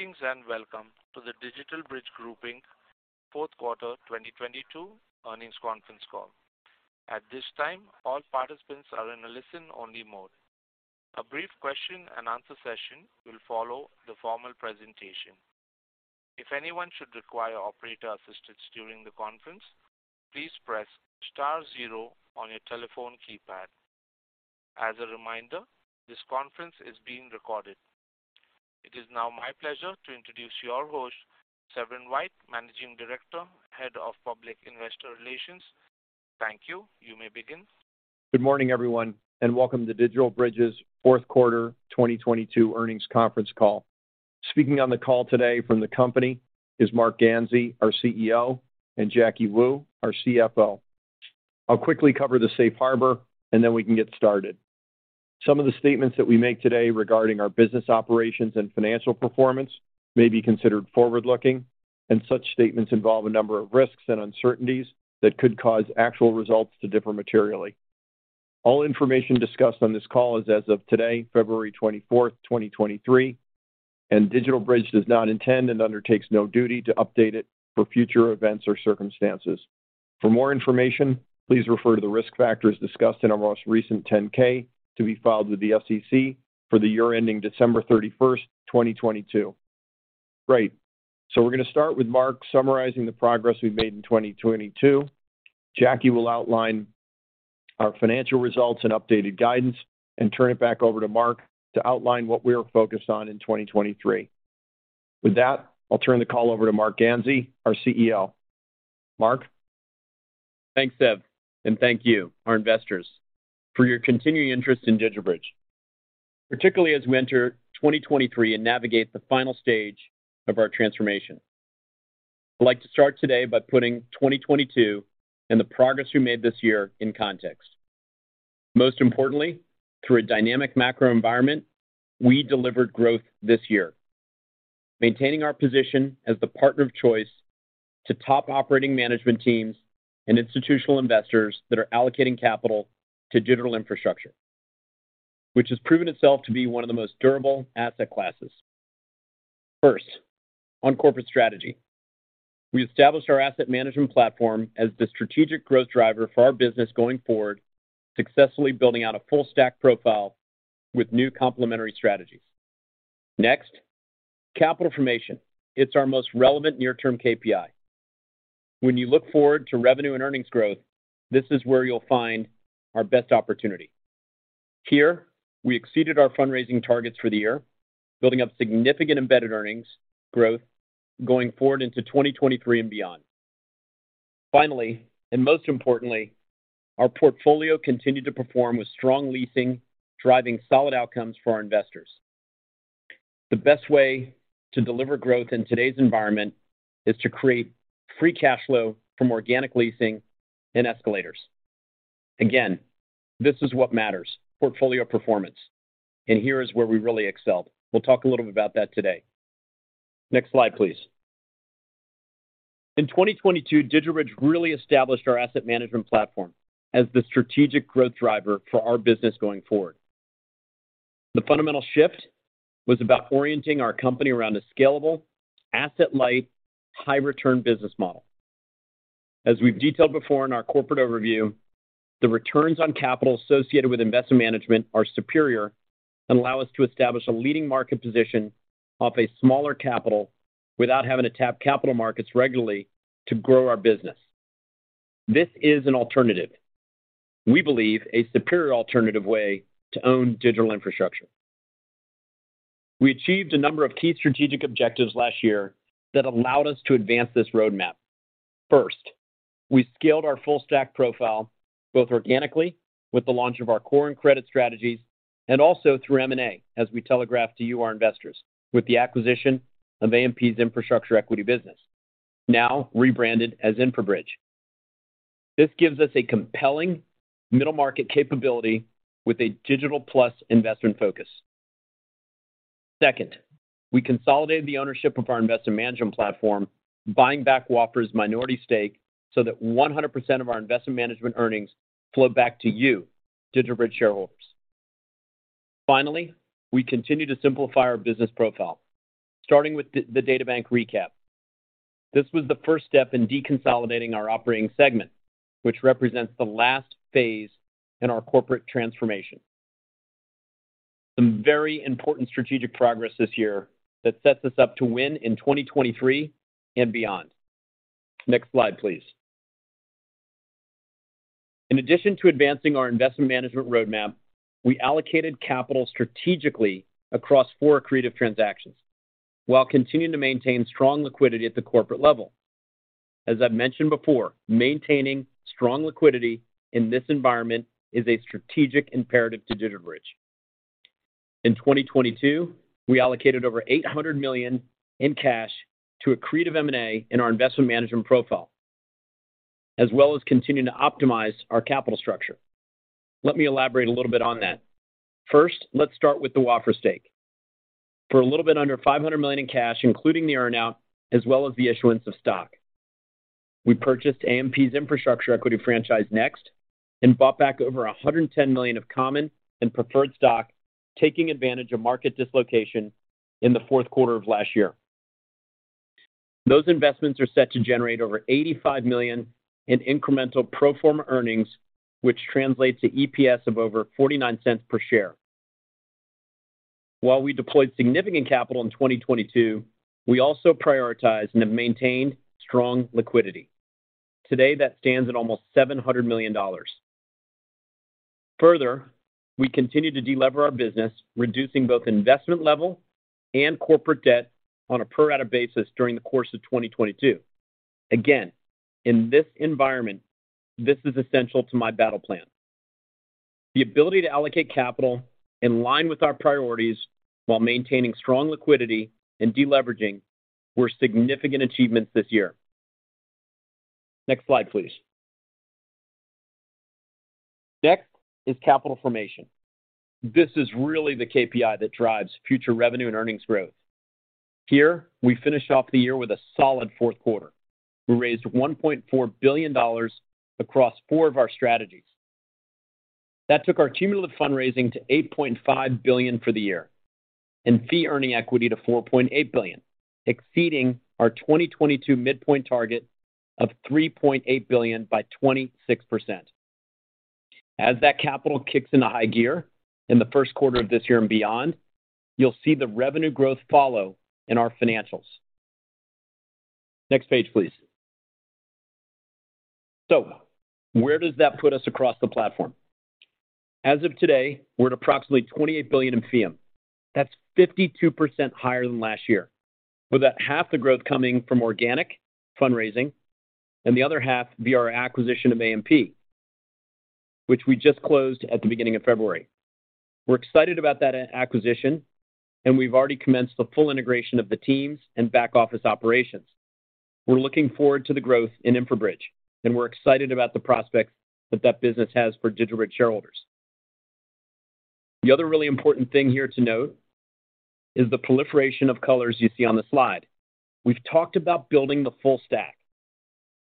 Greetings and welcome to the DigitalBridge Group fourth quarter 2022 earnings conference call. At this time, all participants are in a listen-only mode. A brief question and answer session will follow the formal presentation. If anyone should require operator assistance during the conference, please press star 0 on your telephone keypad. As a reminder, this conference is being recorded. It is now my pleasure to introduce your host, Severin White, Managing Director, Head of Public Investor Relations. Thank you. You may begin. Good morning, everyone, and welcome to DigitalBridge's fourth quarter 2022 earnings conference call. Speaking on the call today from the company is Marc Ganzi, our CEO, and Jacky Wu, our CFO. I'll quickly cover the Safe Harbor. Then we can get started. Some of the statements that we make today regarding our business operations and financial performance may be considered forward-looking. Such statements involve a number of risks and uncertainties that could cause actual results to differ materially. All information discussed on this call is as of today, February 24th, 2023. DigitalBridge does not intend and undertakes no duty to update it for future events or circumstances. For more information, please refer to the risk factors discussed in our most recent 10-K to be filed with the SEC for the year-ending December 31st, 2022. Great. We're going to start with Marc summarizing the progress we've made in 2022. Jacky will outline our financial results and updated guidance and turn it back over to Marc to outline what we are focused on in 2023. With that, I'll turn the call over to Marc Ganzi, our CEO. Marc? Thanks, Sev, and thank you, our investors for your continuing interest in DigitalBridge, particularly as we enter 2023 and navigate the final stage of our transformation. I'd like to start today by putting 2022 and the progress we made this year in context. Most importantly, through a dynamic macro environment, we delivered growth this year, maintaining our position as the partner of choice to top operating management teams and institutional investors that are allocating capital to digital infrastructure, which has proven itself to be one of the most durable asset classes. First, on corporate strategy. We established our asset management platform as the strategic growth driver for our business going forward, successfully building out a full stack profile with new complementary strategies. Next, capital formation. It's our most relevant near term KPI. When you look forward to revenue and earnings growth, this is where you'll find our best opportunity. Here, we exceeded our fundraising targets for the year, building up significant embedded earnings growth going forward into 2023 and beyond. Most importantly, our portfolio continued to perform with strong leasing, driving solid outcomes for our investors. The best way to deliver growth in today's environment is to create free cash flow from organic leasing and escalators. This is what matters, portfolio performance, and here is where we really excelled. We'll talk a little bit about that today. Next slide, please. In 2022, DigitalBridge really established our asset management platform as the strategic growth driver for our business going forward. The fundamental shift was about orienting our company around a scalable, asset-light, high-return business model. As we've detailed before in our corporate overview, the returns on capital associated with investment management are superior and allow us to establish a leading market position off a smaller capital without having to tap capital markets regularly to grow our business. This is an alternative, we believe a superior alternative way to own digital infrastructure. We achieved a number of key strategic objectives last year that allowed us to advance this roadmap. First, we scaled our full stack profile, both organically with the launch of our core and credit strategies, and also through M&A, as we telegraphed to you, our investors, with the acquisition of AMP's infrastructure equity business, now rebranded as InfraBridge. This gives us a compelling middle market capability with a digital plus investment focus. Second, we consolidated the ownership of our investment management platform, buying back Wafra's minority stake so that 100% of our investment management earnings flow back to you, DigitalBridge shareholders. Finally, we continue to simplify our business profile, starting with the DataBank recap. This was the first step in deconsolidating our operating segment, which represents the last phase in our corporate transformation. Some very important strategic progress this year that sets us up to win in 2023 and beyond. Next slide, please. In addition to advancing our investment management roadmap, we allocated capital strategically across four accretive transactions while continuing to maintain strong liquidity at the corporate level. As I've mentioned before, maintaining strong liquidity in this environment is a strategic imperative to DigitalBridge. In 2022, we allocated over $800 million in cash to accretive M&A in our investment management profile, as well as continuing to optimize our capital structure. Let me elaborate a little bit on that. First, let's start with the Wafra stake. For a little bit under $500 million in cash, including the earn out as well as the issuance of stock. We purchased AMP's infrastructure equity franchise next and bought back over $110 million of common and preferred stock, taking advantage of market dislocation in the fourth quarter of last year. Those investments are set to generate over $85 million in incremental pro forma earnings, which translates to EPS of over $0.49 per share. While we deployed significant capital in 2022, we also prioritized and have maintained strong liquidity. Today, that stands at almost $700 million. Further, we continue to delever our business, reducing both investment level and corporate debt on a pro rata basis during the course of 2022. Again, in this environment, this is essential to my battle plan. The ability to allocate capital in line with our priorities while maintaining strong liquidity and deleveraging were significant achievements this year. Next slide, please. Next is capital formation. This is really the KPI that drives future revenue and earnings growth. Here we finish off the year with a solid fourth quarter. We raised $1.4 billion across four of our strategies. That took our cumulative fundraising to $8.5 billion for the year and fee earning equity to $4.8 billion, exceeding our 2022 midpoint target of $3.8 billion by 26%. As that capital kicks into high gear in the 1st quarter of this year and beyond, you'll see the revenue growth follow in our financials. Next page, please. Where does that put us across the platform? As of today, we're at approximately $28 billion in fee. That's 52% higher than last year, with about half the growth coming from organic fundraising and the other half via our acquisition of AMP, which we just closed at the beginning of February. We're excited about that acquisition and we've already commenced the full integration of the teams and back office operations. We're looking forward to the growth in InfraBridge, and we're excited about the prospects that that business has for DigitalBridge shareholders. The other really important thing here to note is the proliferation of colors you see on the slide. We've talked about building the full stack,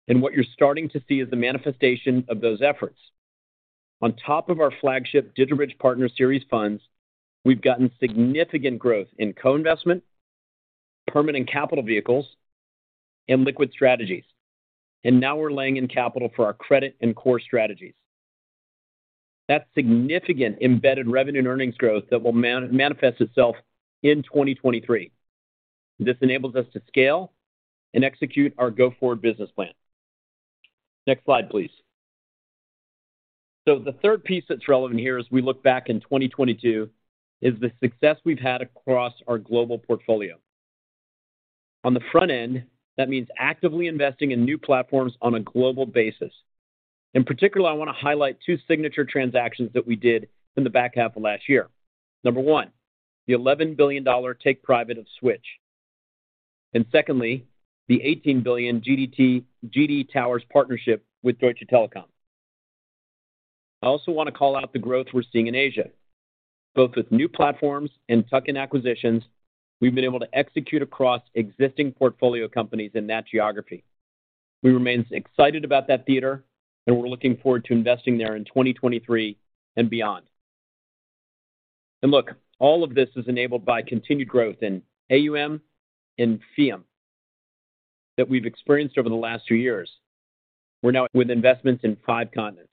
and what you're starting to see is the manifestation of those efforts. On top of our flagship DigitalBridge Partners Series funds, we've gotten significant growth in co-investment, permanent capital vehicles, and liquid strategies. Now we're laying in capital for our credit and core strategies. That's significant embedded revenue and earnings growth that will manifest itself in 2023. This enables us to scale and execute our go forward business plan. Next slide, please. The third piece that's relevant here as we look back in 2022 is the success we've had across our global portfolio. On the front end, that means actively investing in new platforms on a global basis. In particular, I want to highlight two signature transactions that we did in the back half of last year. Number 1, the $11 billion take private of Switch. Secondly, the $18 billion GD Towers partnership with Deutsche Telekom. I also want to call out the growth we're seeing in Asia. Both with new platforms and tuck-in acquisitions, we've been able to execute across existing portfolio companies in that geography. We remain excited about that theater, and we're looking forward to investing there in 2023 and beyond. Look, all of this is enabled by continued growth in AUM and fee that we've experienced over the last two years. We're now with investments in five continents.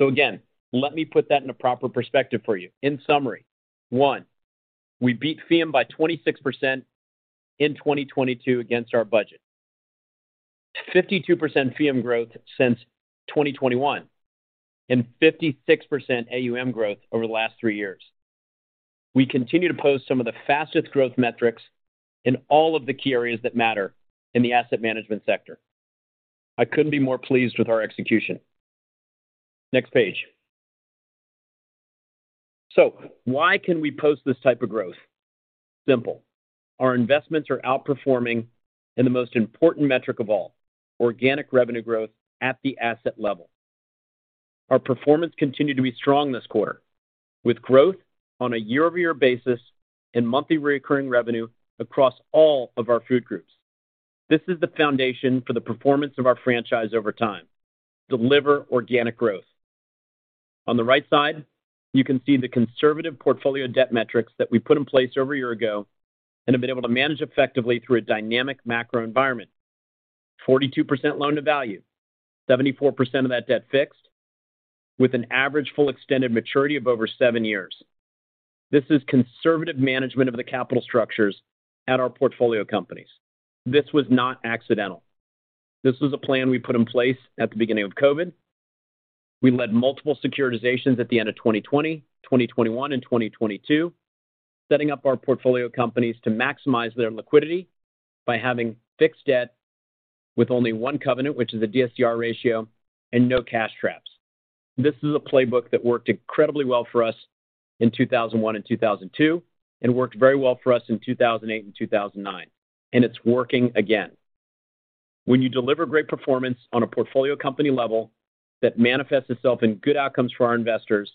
Again, let me put that in a proper perspective for you. In summary, 1, we beat fee by 26% in 2022 against our budget. 52% fee growth since 2021, and 56% AUM growth over the last three years. We continue to post some of the fastest growth metrics in all of the key areas that matter in the asset management sector. I couldn't be more pleased with our execution. Next page. Why can we post this type of growth? Simple. Our investments are outperforming in the most important metric of all, organic revenue growth at the asset level. Our performance continued to be strong this quarter with growth on a year-over-year basis in monthly recurring revenue across all of our food groups. This is the foundation for the performance of our franchise over time. Deliver organic growth. On the right side, you can see the conservative portfolio debt metrics that we put in place over a year ago and have been able to manage effectively through a dynamic macro environment. 42% loan to value, 74% of that debt fixed with an average full extended maturity of over 7 years. This is conservative management of the capital structures at our portfolio companies. This was not accidental. This was a plan we put in place at the beginning of COVID. We led multiple securitizations at the end of 2020, 2021 and 2022, setting up our portfolio companies to maximize their liquidity by having fixed debt with only one covenant, which is a DSCR ratio and no cash traps. This is a playbook that worked incredibly well for us in 2001 and 2002, and worked very well for us in 2008 and 2009. It's working again. When you deliver great performance on a portfolio company level that manifests itself in good outcomes for our investors,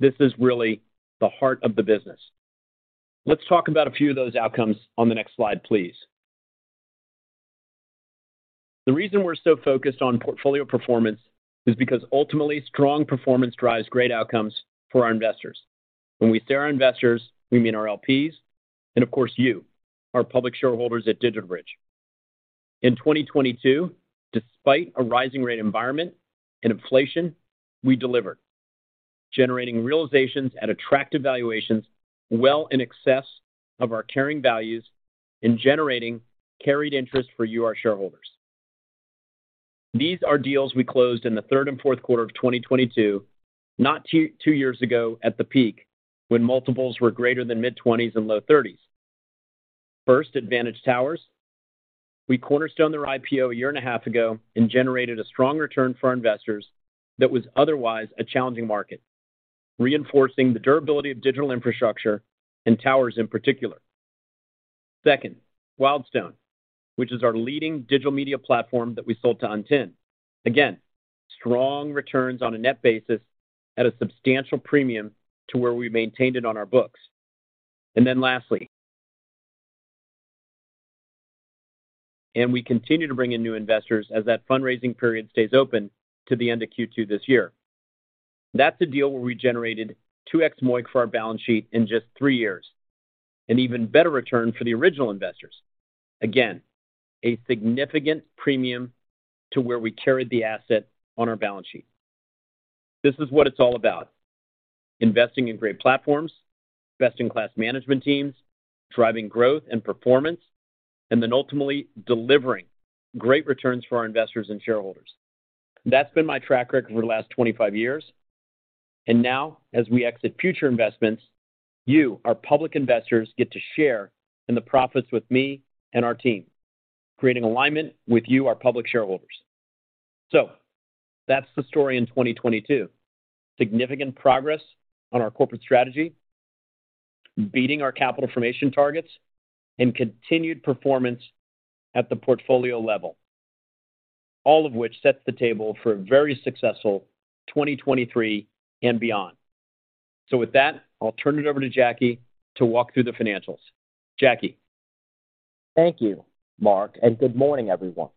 this is really the heart of the business. Let's talk about a few of those outcomes on the next slide, please. The reason we're so focused on portfolio performance is because ultimately, strong performance drives great outcomes for our investors. When we say our investors, we mean our LPs, and of course, you, our public shareholders at DigitalBridge. In 2022, despite a rising rate environment and inflation, we delivered, generating realizations at attractive valuations well in excess of our carrying values and generating carried interest for you, our shareholders. These are deals we closed in the third and fourth quarter of 2022, not two years ago at the peak when multiples were greater than mid-20s and low 30s. First, Vantage Towers. We cornerstone their IPO a year and a half ago and generated a strong return for our investors that was otherwise a challenging market, reinforcing the durability of digital infrastructure and towers in particular. Second, Wildstone, which is our leading digital media platform that we sold to Antin. Again, strong returns on a net basis at a substantial premium to where we maintained it on our books. Lastly. We continue to bring in new investors as that fundraising period stays open to the end of Q2 this year. That's a deal where we generated 2x MOIC for our balance sheet in just 3 years, an even better return for the original investors. Again, a significant premium to where we carried the asset on our balance sheet. This is what it's all about. Investing in great platforms, best-in-class management teams, driving growth and performance, and then ultimately delivering great returns for our investors and shareholders. That's been my track record for the last 25 years. Now, as we exit future investments, you, our public investors, get to share in the profits with me and our team, creating alignment with you, our public shareholders. That's the story in 2022. Significant progress on our corporate strategy, beating our capital formation targets, and continued performance at the portfolio level. All of which sets the table for a very successful 2023 and beyond. With that, I'll turn it over to Jacky to walk through the financials. Jacky. Thank you, Marc. And good morning, everyone.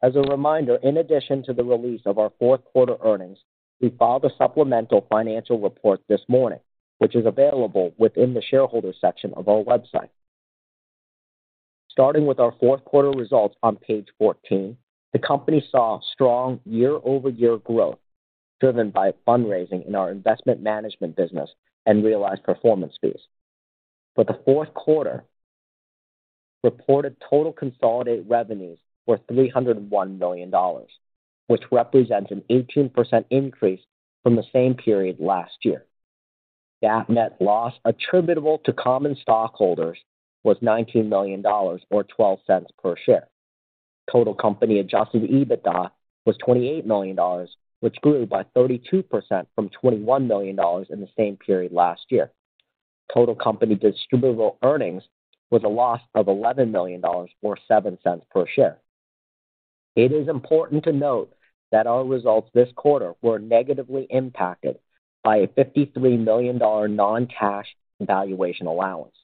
As a reminder, in addition to the release of our fourth quarter earnings, we filed a supplemental financial report this morning, which is available within the shareholder section of our website. Starting with our fourth quarter results on page 14, the company saw strong year-over-year growth driven by fundraising in our investment management business and realized performance fees. For the fourth quarter, reported total consolidated revenues were $301 million, which represents an 18% increase from the same period last year. GAAP net loss attributable to common stockholders was $19 million or $0.12 per share. Total company adjusted EBITDA was $28 million, which grew by 32% from $21 million in the same period last year. Total company distributable earnings was a loss of $11 million or $0.07 per share. It is important to note that our results this quarter were negatively impacted by a $53 million non-cash valuation allowance.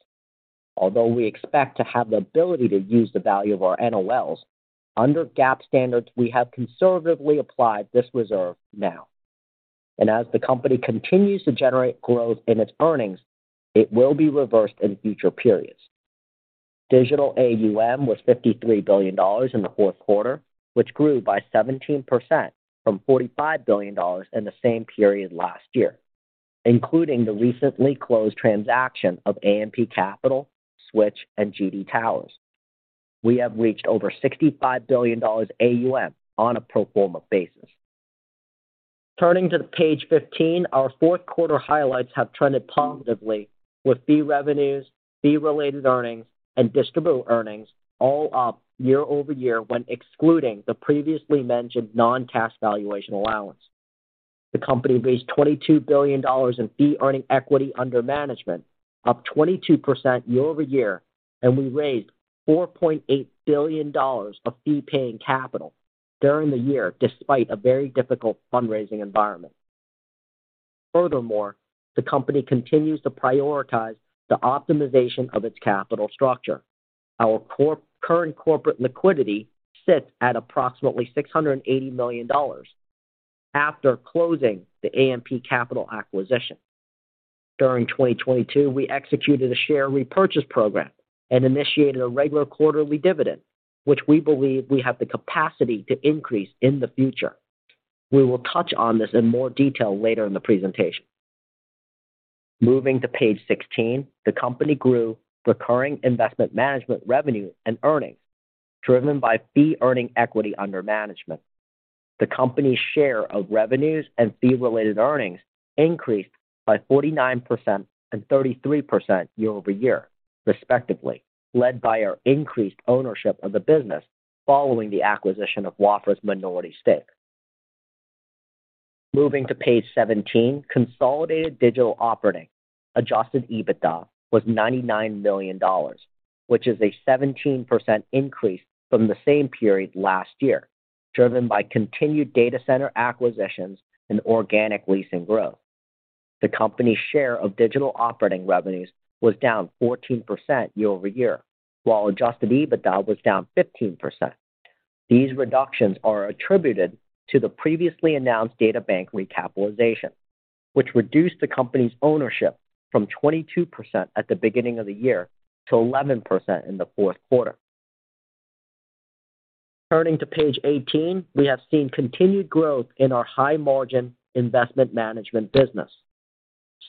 Although we expect to have the ability to use the value of our NOLs, under GAAP standards, we have conservatively applied this reserve now. As the company continues to generate growth in its earnings, it will be reversed in future periods. Digital AUM was $53 billion in the fourth quarter, which grew by 17% from $45 billion in the same period last year. Including the recently closed transaction of AMP Capital, Switch, and GD Towers. We have reached over $65 billion AUM on a pro forma basis. Turning to page 15, our fourth quarter highlights have trended positively with fee revenues, fee-related earnings, and distributable earnings all up year-over-year when excluding the previously mentioned non-cash valuation allowance. The company raised $22 billion in Fee Earning Equity Under Management, up 22% year-over-year, and we raised $4.8 billion of fee-paying capital during the year despite a very difficult fundraising environment. Furthermore, the company continues to prioritize the optimization of its capital structure. Our current corporate liquidity sits at approximately $680 million after closing the AMP Capital acquisition. During 2022, we executed a share repurchase program and initiated a regular quarterly dividend, which we believe we have the capacity to increase in the future. We will touch on this in more detail later in the presentation. Moving to page 16, the company grew recurring investment management revenue and earnings, driven by Fee Earning Equity Under Management. The company's share of revenues and fee-related earnings increased by 49% and 33% year-over-year, respectively, led by our increased ownership of the business following the acquisition of Wafra's minority stake. Moving to page 17, consolidated digital operating adjusted EBITDA was $99 million, which is a 17% increase from the same period last year. Driven by continued data center acquisitions and organic leasing growth. The company's share of digital operating revenues was down 14% year-over-year, while adjusted EBITDA was down 15%. These reductions are attributed to the previously announced DataBank recapitalization, which reduced the company's ownership from 22% at the beginning of the year to 11% in the fourth quarter. Turning to page 18, we have seen continued growth in our high-margin investment management business.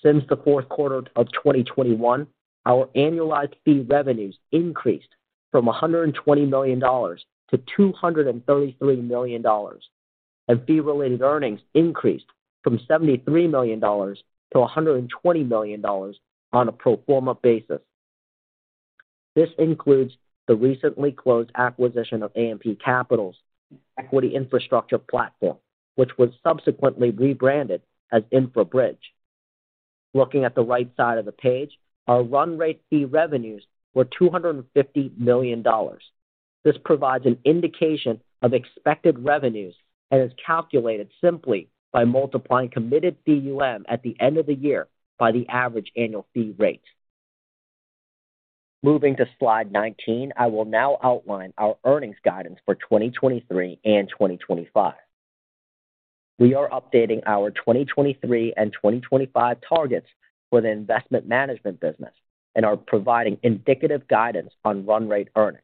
Since the fourth quarter of 2021, our annualized fee revenues increased from $120 million to $233 million, and fee-related earnings increased from $73 million to $120 million on a pro forma basis. This includes the recently closed acquisition of AMP Capital's equity infrastructure platform, which was subsequently rebranded as InfraBridge. Looking at the right side of the page, our run rate fee revenues were $250 million. This provides an indication of expected revenues and is calculated simply by multiplying committed AUM at the end of the year by the average annual fee rate. Moving to slide 19, I will now outline our earnings guidance for 2023 and 2025. We are updating our 2023 and 2025 targets for the investment management business and are providing indicative guidance on run rate earnings.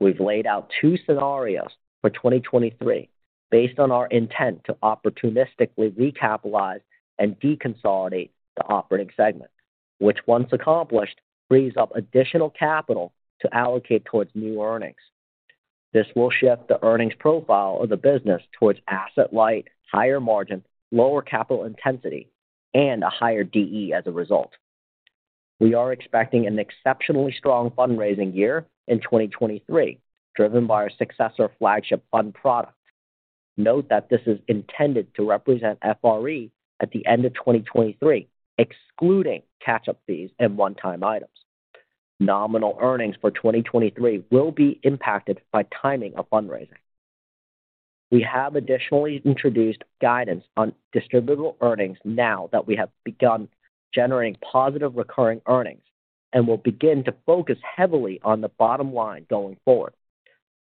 We've laid out two scenarios for 2023 based on our intent to opportunistically recapitalize and deconsolidate the operating segment, which once accomplished, frees up additional capital to allocate towards new earnings. This will shift the earnings profile of the business towards asset-light, higher margin, lower capital intensity, and a higher DE as a result. We are expecting an exceptionally strong fundraising year in 2023, driven by our successor flagship fund product. Note that this is intended to represent FRE at the end of 2023, excluding catch-up fees and one-time items. Nominal earnings for 2023 will be impacted by timing of fundraising. We have additionally introduced guidance on distributable earnings now that we have begun generating positive recurring earnings and will begin to focus heavily on the bottom line going forward.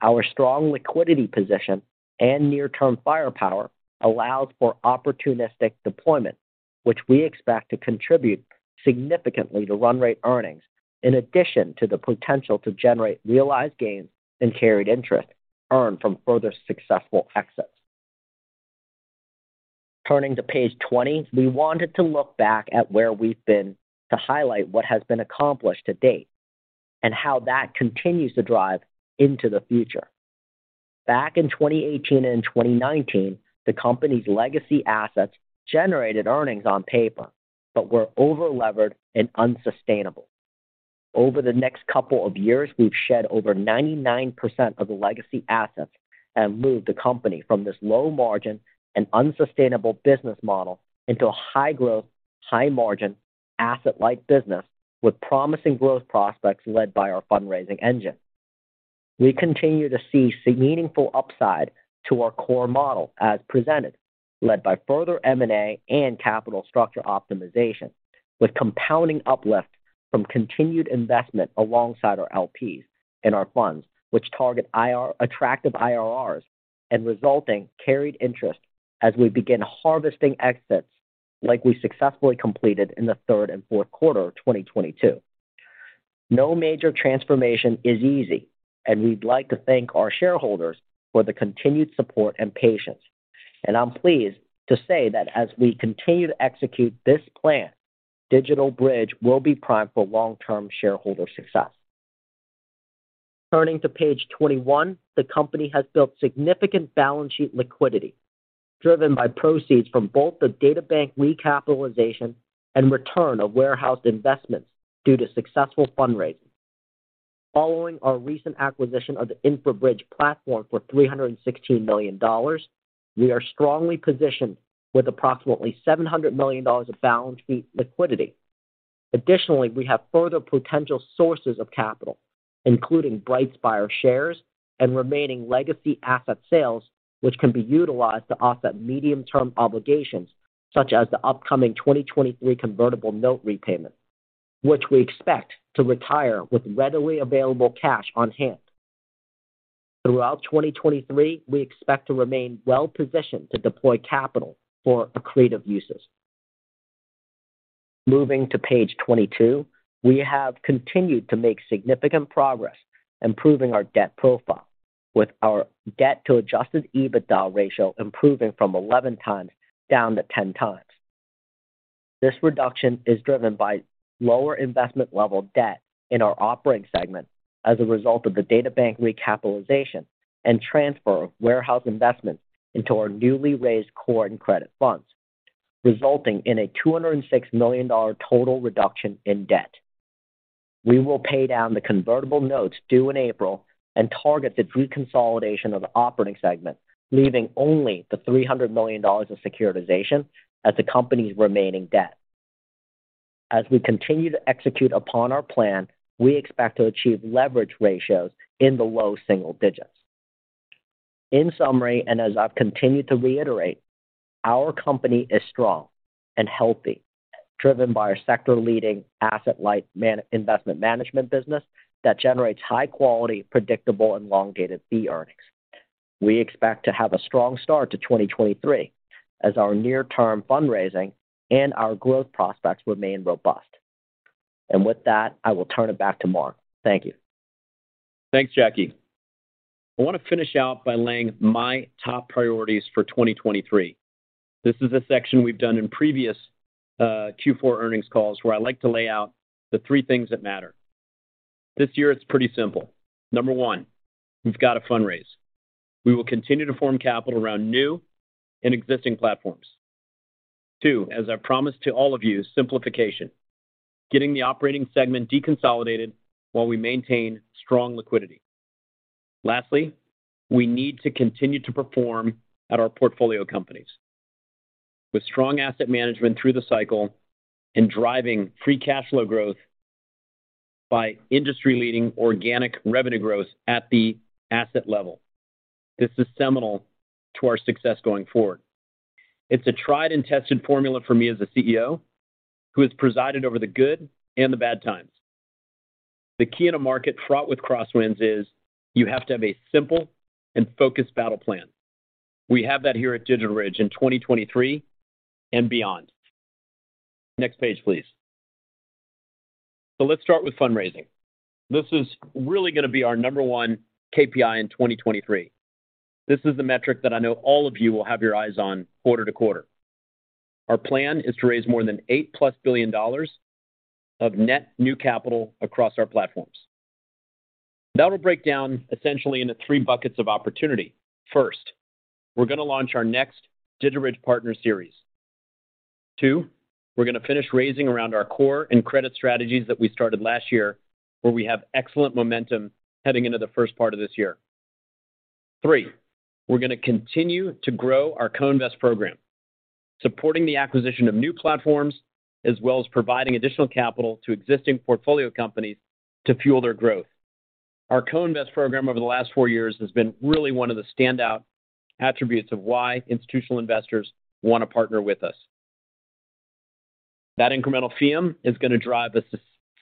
Our strong liquidity position and near-term firepower allows for opportunistic deployment, which we expect to contribute significantly to run rate earnings in addition to the potential to generate realized gains and carried interest earned from further successful exits. Turning to page 20, we wanted to look back at where we've been to highlight what has been accomplished to date and how that continues to drive into the future. Back in 2018 and 2019, the company's legacy assets generated earnings on paper, but were over-levered and unsustainable. Over the next couple of years, we've shed over 99% of the legacy assets and moved the company from this low margin and unsustainable business model into a high-growth, high-margin asset-light business with promising growth prospects led by our fundraising engine. We continue to see meaningful upside to our core model as presented, led by further M&A and capital structure optimization, with compounding uplift from continued investment alongside our LPs in our funds, which target attractive IRRs and resulting carried interest as we begin harvesting exits like we successfully completed in the third and fourth quarter of 2022. No major transformation is easy, we'd like to thank our shareholders for the continued support and patience. I'm pleased to say that as we continue to execute this plan, DigitalBridge will be primed for long-term shareholder success. Turning to page 21, the company has built significant balance sheet liquidity driven by proceeds from both the DataBank recapitalization and return of warehoused investments due to successful fundraising. Following our recent acquisition of the InfraBridge platform for $316 million, we are strongly positioned with approximately $700 million of balance sheet liquidity. Additionally, we have further potential sources of capital, including BrightSpire shares and remaining legacy asset sales which can be utilized to offset medium-term obligations such as the upcoming 2023 convertible note repayment, which we expect to retire with readily available cash on hand. Throughout 2023, we expect to remain well-positioned to deploy capital for accretive uses. Moving to page 22, we have continued to make significant progress improving our debt profile with our debt to adjusted EBITDA ratio improving from 11 times down to 10 times. This reduction is driven by lower investment level debt in our operating segment as a result of the DataBank recapitalization and transfer of warehouse investments into our newly raised core and credit funds, resulting in a $206 million total reduction in debt. We will pay down the convertible notes due in April and target the deconsolidation of the operating segment, leaving only the $300 million of securitization as the company's remaining debt. As we continue to execute upon our plan, we expect to achieve leverage ratios in the low single digits. In summary, as I've continued to reiterate, our company is strong and healthy, driven by our sector-leading asset-light investment management business that generates high quality, predictable, and long-dated fee earnings. We expect to have a strong start to 2023 as our near-term fundraising and our growth prospects remain robust. With that, I will turn it back to Marc. Thank you. Thanks, Jacky. I want to finish out by laying my top priorities for 2023. This is a section we've done in previous Q4 earnings calls, where I like to lay out the three things that matter. This year it's pretty simple. Number 1, we've got to fundraise. We will continue to form capital around new and existing platforms. 2, as I promised to all of you, simplification. Getting the operating segment deconsolidated while we maintain strong liquidity. Lastly, we need to continue to perform at our portfolio companies with strong asset management through the cycle and driving free cash flow growth by industry-leading organic revenue growth at the asset level. This is seminal to our success going forward. It's a tried and tested formula for me as a CEO who has presided over the good and the bad times. The key in a market fraught with crosswinds is you have to have a simple and focused battle plan. We have that here at DigitalBridge in 2023 and beyond. Next page, please. Let's start with fundraising. This is really gonna be our number 1 KPI in 2023. This is the metric that I know all of you will have your eyes on quarter to quarter. Our plan is to raise more than $8+ billion of net new capital across our platforms. That'll break down essentially into 3 buckets of opportunity. First, we're gonna launch our next DigitalBridge Partner series. 2, we're gonna finish raising around our core and credit strategies that we started last year, where we have excellent momentum heading into the first part of this year. Three, we're going to continue to grow our co-invest program, supporting the acquisition of new platforms, as well as providing additional capital to existing portfolio companies to fuel their growth. Our co-invest program over the last 4 years has been really one of the standout attributes of why institutional investors want to partner with us. That incremental FEEUM is going to drive a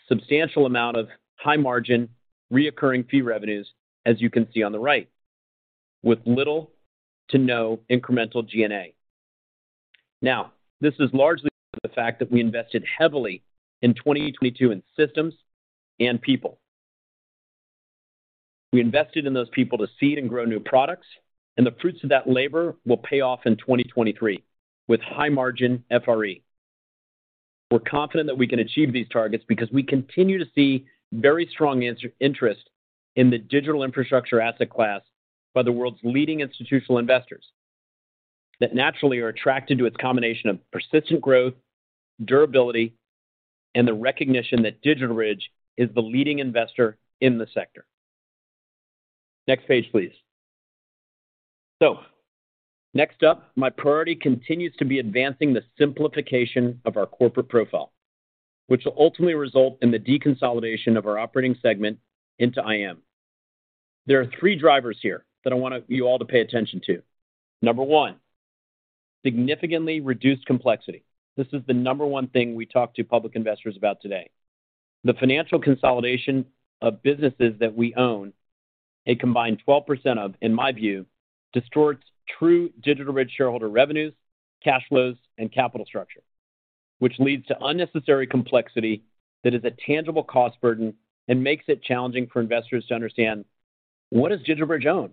substantial amount of high margin, recurring fee revenues, as you can see on the right, with little to no incremental G&A. This is largely because of the fact that we invested heavily in 2022 in systems and people. We invested in those people to seed and grow new products, the fruits of that labor will pay off in 2023 with high margin FRE. We're confident that we can achieve these targets because we continue to see very strong inter-interest in the digital infrastructure asset class by the world's leading institutional investors that naturally are attracted to its combination of persistent growth, durability, and the recognition that DigitalBridge is the leading investor in the sector. Next page, please. Next up, my priority continues to be advancing the simplification of our corporate profile, which will ultimately result in the deconsolidation of our operating segment into IM. There are 3 drivers here that I want you all to pay attention to. Number 1, significantly reduced complexity. This is the number 1 thing we talk to public investors about today. The financial consolidation of businesses that we own, a combined 12% of, in my view, distorts true DigitalBridge shareholder revenues, cash flows, and capital structure. Which leads to unnecessary complexity that is a tangible cost burden and makes it challenging for investors to understand what does DigitalBridge own.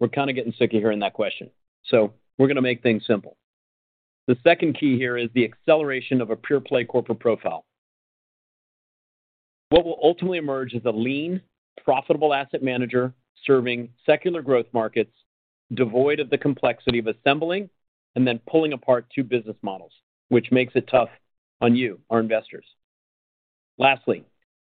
We're kind of getting sick of hearing that question, so we're gonna make things simple. The second key here is the acceleration of a pure play corporate profile. What will ultimately emerge is a lean, profitable asset manager serving secular growth markets devoid of the complexity of assembling and then pulling apart two business models, which makes it tough on you, our investors. Lastly,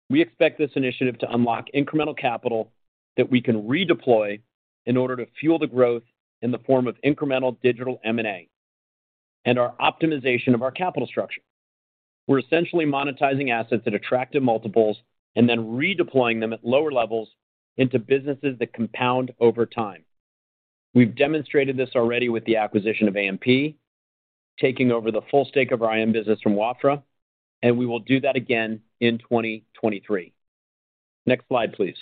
we expect this initiative to unlock incremental capital that we can redeploy in order to fuel the growth in the form of incremental digital M&A and our optimization of our capital structure. We're essentially monetizing assets at attractive multiples and then redeploying them at lower levels into businesses that compound over time. We've demonstrated this already with the acquisition of AMP, taking over the full stake of our IM business from Wafra. We will do that again in 2023. Next slide, please.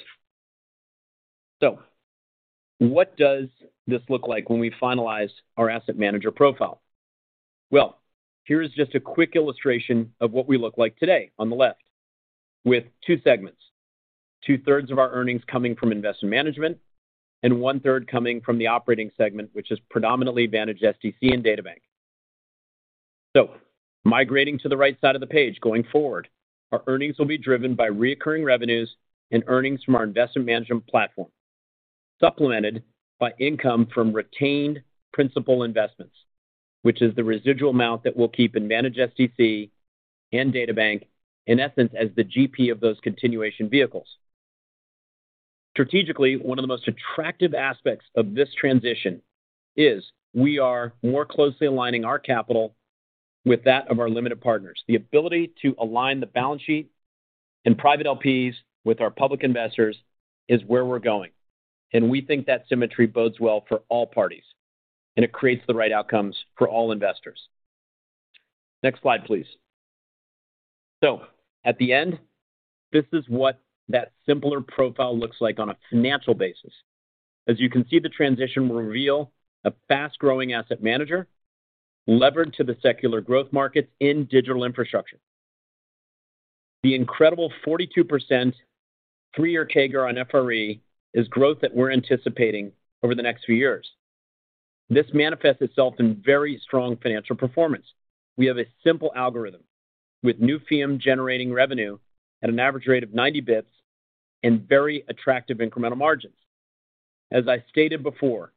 What does this look like when we finalize our asset manager profile? Well, here is just a quick illustration of what we look like today on the left with two segments. Two-thirds of our earnings coming from investment management and one-third coming from the operating segment, which is predominantly Managed DC and DataBank. Migrating to the right side of the page going forward, our earnings will be driven by reoccurring revenues and earnings from our investment management platform, supplemented by income from retained principal investments. Which is the residual amount that we'll keep in Managed DC and DataBank, in essence, as the GP of those continuation vehicles. Strategically, one of the most attractive aspects of this transition is we are more closely aligning our capital with that of our limited partners. The ability to align the balance sheet and private LPs with our public investors is where we're going, and we think that symmetry bodes well for all parties, and it creates the right outcomes for all investors. Next slide, please. At the end, this is what that simpler profile looks like on a financial basis. As you can see, the transition will reveal a fast-growing asset manager levered to the secular growth markets in digital infrastructure. The incredible 42% 3-year CAGR on FRE is growth that we're anticipating over the next few years. This manifests itself in very strong financial performance. We have a simple algorithm, with new fee generating revenue at an average rate of 90 basis points and very attractive incremental margins. As I stated before,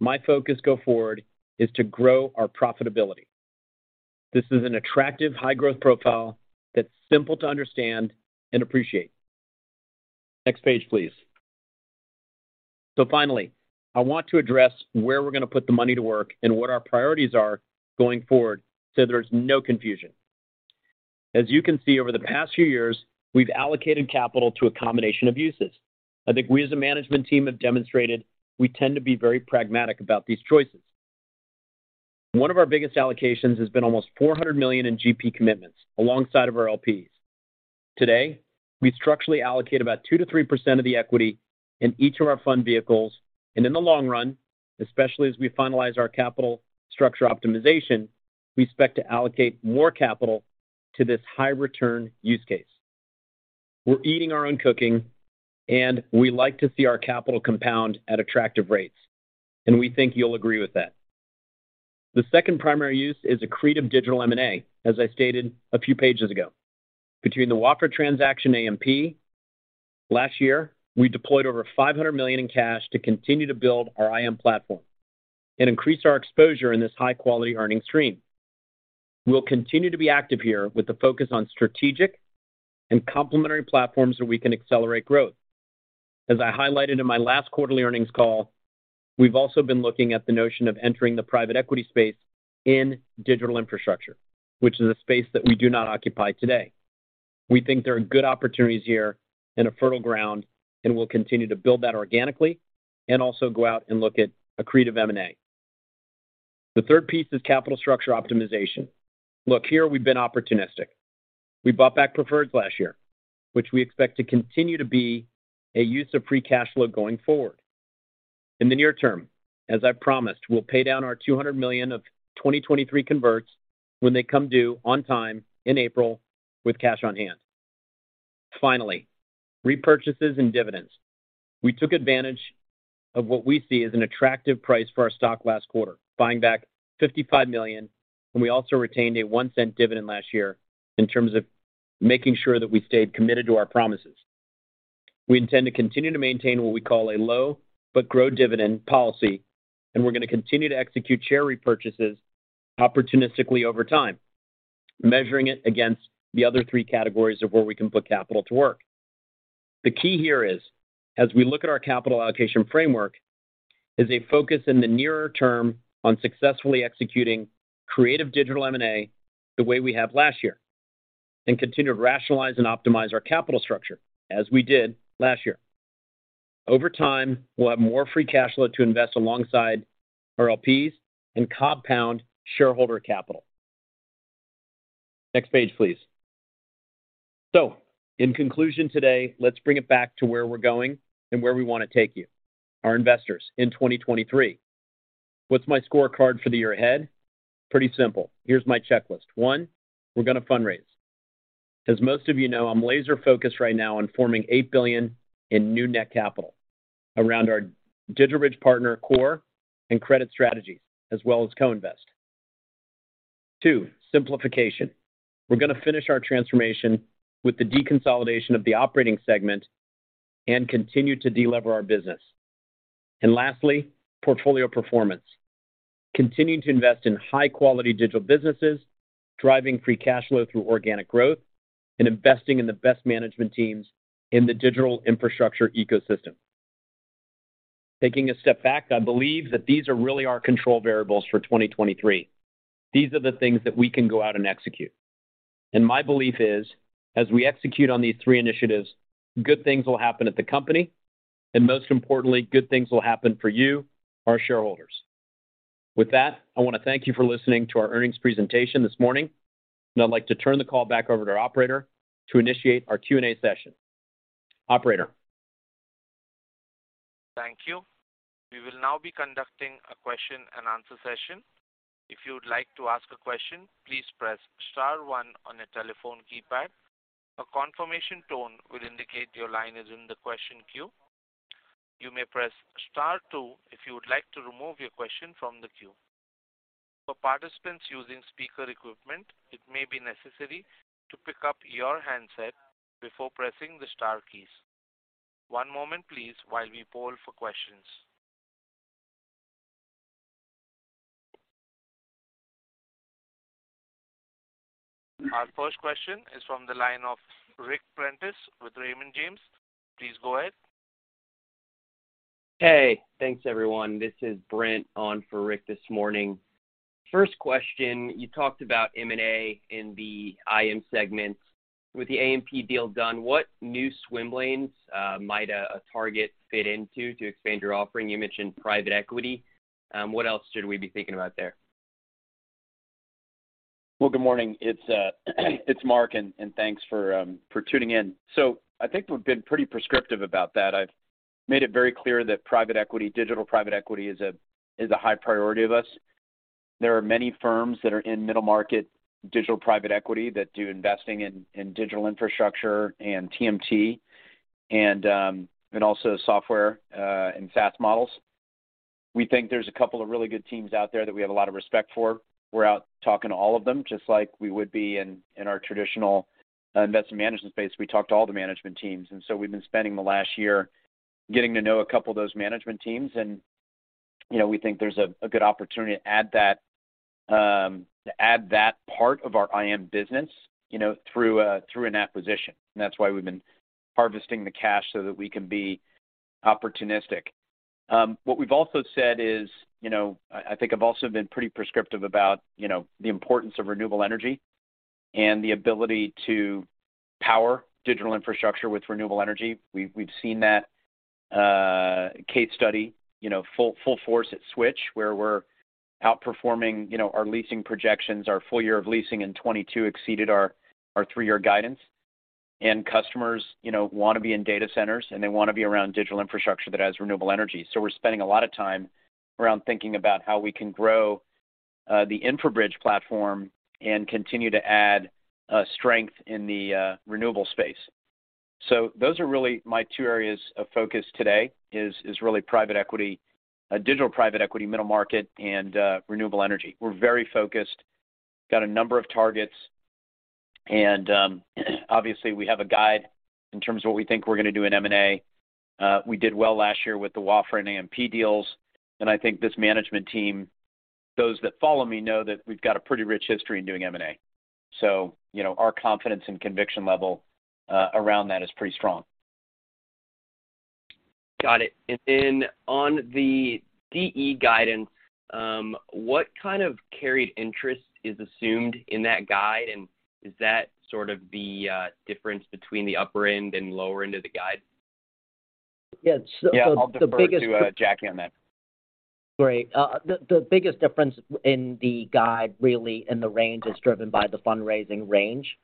my focus go forward is to grow our profitability. This is an attractive high-growth profile that's simple to understand and appreciate. Next page, please. Finally, I want to address where we're going to put the money to work and what our priorities are going forward so there's no confusion. As you can see, over the past few years, we've allocated capital to a combination of uses. I think we as a management team have demonstrated we tend to be very pragmatic about these choices. One of our biggest allocations has been almost $400 million in GP commitments alongside of our LPs. Today, we structurally allocate about 2%-3% of the equity in each of our fund vehicles. In the long run, especially as we finalize our capital structure optimization, we expect to allocate more capital to this high return use case. We're eating our own cooking, we like to see our capital compound at attractive rates, and we think you'll agree with that. The second primary use is accretive digital M&A, as I stated a few pages ago. Between the Wafra transaction AMP last year, we deployed over $500 million in cash to continue to build our IM platform and increase our exposure in this high-quality earning stream. We'll continue to be active here with the focus on strategic and complementary platforms where we can accelerate growth. As I highlighted in my last quarterly earnings call, we've also been looking at the notion of entering the private equity space in digital infrastructure, which is a space that we do not occupy today. We think there are good opportunities here and a fertile ground, and we'll continue to build that organically and also go out and look at accretive M&A. The third piece is capital structure optimization. Look, here we've been opportunistic. We bought back preferreds last year, which we expect to continue to be a use of free cash flow going forward. In the near term, as I promised, we'll pay down our $200 million of 2023 converts when they come due on time in April with cash on hand. Finally, repurchases and dividends. We took advantage of what we see as an attractive price for our stock last quarter, buying back $55 million, and we also retained a $0.01 dividend last year in terms of making sure that we stayed committed to our promises. We intend to continue to maintain what we call a low but grow dividend policy, and we're going to continue to execute share repurchases opportunistically over time, measuring it against the other three categories of where we can put capital to work. The key here is, as we look at our capital allocation framework, is a focus in the nearer term on successfully executing creative digital M&A the way we have last year and continue to rationalize and optimize our capital structure as we did last year. Over time, we'll have more free cash flow to invest alongside our LPs and compound shareholder capital. Next page, please. In conclusion today, let's bring it back to where we're going and where we want to take you, our investors, in 2023. What's my scorecard for the year ahead? Pretty simple. Here's my checklist. One, we're gonna fundraise. As most of you know, I'm laser focused right now on forming $8 billion in new net capital around our DigitalBridge Partners core and credit strategies as well as co-invest. 2, simplification. We're gonna finish our transformation with the deconsolidation of the operating segment and continue to delever our business. Lastly, portfolio performance. Continuing to invest in high-quality digital businesses, driving free cash flow through organic growth, and investing in the best management teams in the digital infrastructure ecosystem. Taking a step back, I believe that these are really our control variables for 2023. These are the things that we can go out and execute. My belief is, as we execute on these three initiatives, good things will happen at the company, and most importantly, good things will happen for you, our shareholders. I want to thank you for listening to our earnings presentation this morning, and I'd like to turn the call back over to our operator to initiate our Q&A session. Operator. Thank you. We will now be conducting a question and answer session. If you would like to ask a question, please press star 1 on your telephone keypad. A confirmation tone will indicate your line is in the question queue. You may press star 2 if you would like to remove your question from the queue. For participants using speaker equipment, it may be necessary to pick up your handset before pressing the star keys. One moment please while we poll for questions. Our first question is from the line of Ric Prentiss with Raymond James. Please go ahead. Hey, thanks everyone. This is Brent on for Rick this morning. First question, you talked about M&A in the IM segment. With the AMP deal done, what new swim lanes might a target fit into to expand your offering? You mentioned private equity. What else should we be thinking about there? Well, good morning. It's Marc, and thanks for tuning in. I think we've been pretty prescriptive about that. I've made it very clear that private equity, digital private equity is a, is a high priority of us. There are many firms that are in middle market digital private equity that do investing in digital infrastructure and TMT and also software and SaaS models. We think there's a couple of really good teams out there that we have a lot of respect for. We're out talking to all of them, just like we would be in our traditional investment management space. We talk to all the management teams, and so we've been spending the last year getting to know a couple of those management teams and, you know, we think there's a good opportunity to add that, to add that part of our IM business, you know, through an acquisition. That's why we've been harvesting the cash so that we can be opportunistic. What we've also said is, you know, I think I've also been pretty prescriptive about, you know, the importance of renewable energy and the ability to power digital infrastructure with renewable energy. We've seen that case study, you know, full force at Switch, where we're outperforming, you know, our leasing projections. Our full year of leasing in 2022 exceeded our three-year guidance. Customers, you know, wanna be in data centers, and they wanna be around digital infrastructure that has renewable energy. We're spending a lot of time around thinking about how we can grow the InfraBridge platform and continue to add strength in the renewable space. Those are really my 2 areas of focus today is really private equity, digital private equity, middle market, and renewable energy. We're very focused. Got a number of targets. Obviously, we have a guide in terms of what we think we're gonna do in M&A. We did well last year with the Wafra and AMP deals, and I think this management team, those that follow me know that we've got a pretty rich history in doing M&A. You know, our confidence and conviction level around that is pretty strong. Got it. On the DE guidance, what kind of carried interest is assumed in that guide? Is that sort of the difference between the upper end and lower end of the guide? Yeah. The biggest- Yeah. I'll defer to Jack here on that. Great. The biggest difference in the guide really, and the range is driven by the fundraising range.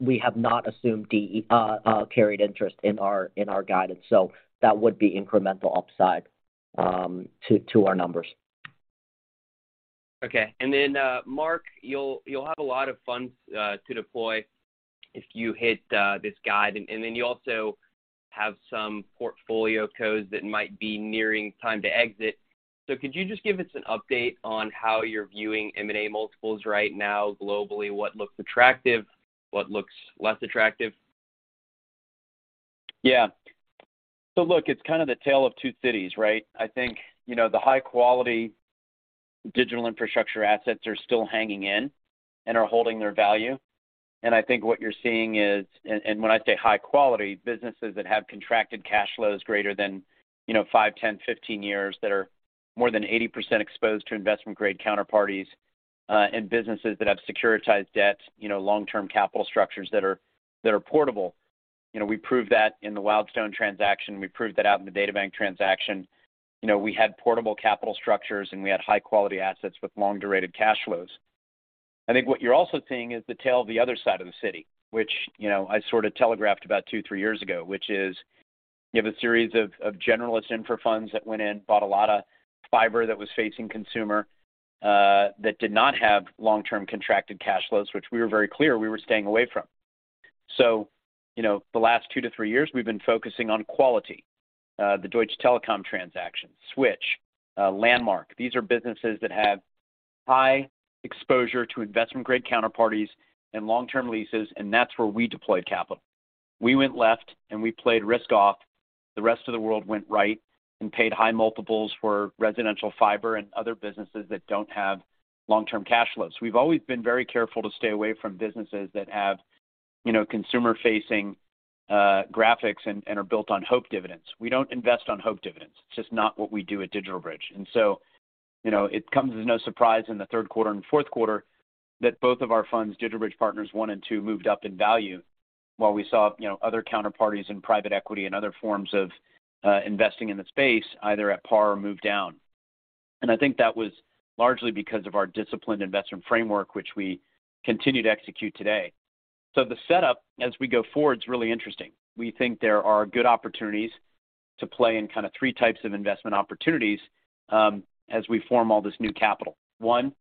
We have not assumed carried interest in our guidance, so that would be incremental upside to our numbers. Okay. Marc, you'll have a lot of funds to deploy if you hit this guide. You also have some portfolio COs that might be nearing time to exit. Could you just give us an update on how you're viewing M&A multiples right now globally? What looks attractive, what looks less attractive? Look, it's kind of the tale of two cities, right? I think, you know, the high quality digital infrastructure assets are still hanging in and are holding their value. I think what you're seeing is. When I say high quality, businesses that have contracted cash flows greater than, you know, 5, 10, 15 years that are more than 80% exposed to investment grade counterparties, and businesses that have securitized debt, you know, long-term capital structures that are portable. You know, we proved that in the Wildstone transaction. We proved that out in the DataBank transaction. You know, we had portable capital structures, and we had high quality assets with long-durated cash flows. I think what you're also seeing is the tale of the other side of the city, which, you know, I sort of telegraphed about 2, 3 years ago, which is you have a series of generalist infra funds that went in, bought a lot of fiber that was facing consumer, that did not have long-term contracted cash flows, which we were very clear we were staying away from. You know, the last 2 to 3 years, we've been focusing on quality. The Deutsche Telekom transaction, Switch, Landmark. These are businesses that have high exposure to investment grade counterparties and long-term leases, and that's where we deployed capital. We went left, and we played risk off. The rest of the world went right and paid high multiples for residential fiber and other businesses that don't have long-term cash flows. We've always been very careful to stay away from businesses that have, you know, consumer-facing graphics and are built on hope dividends. We don't invest on hope dividends. It's just not what we do at DigitalBridge. You know, it comes as no surprise in the third quarter and fourth quarter that both of our funds, DigitalBridge Partners I and II, moved up in value while we saw, you know, other counterparties in private equity and other forms of investing in the space either at par or move down. I think that was largely because of our disciplined investment framework, which we continue to execute today. The setup as we go forward is really interesting. We think there are good opportunities to play in kind of three types of investment opportunities as we form all this new capital. One,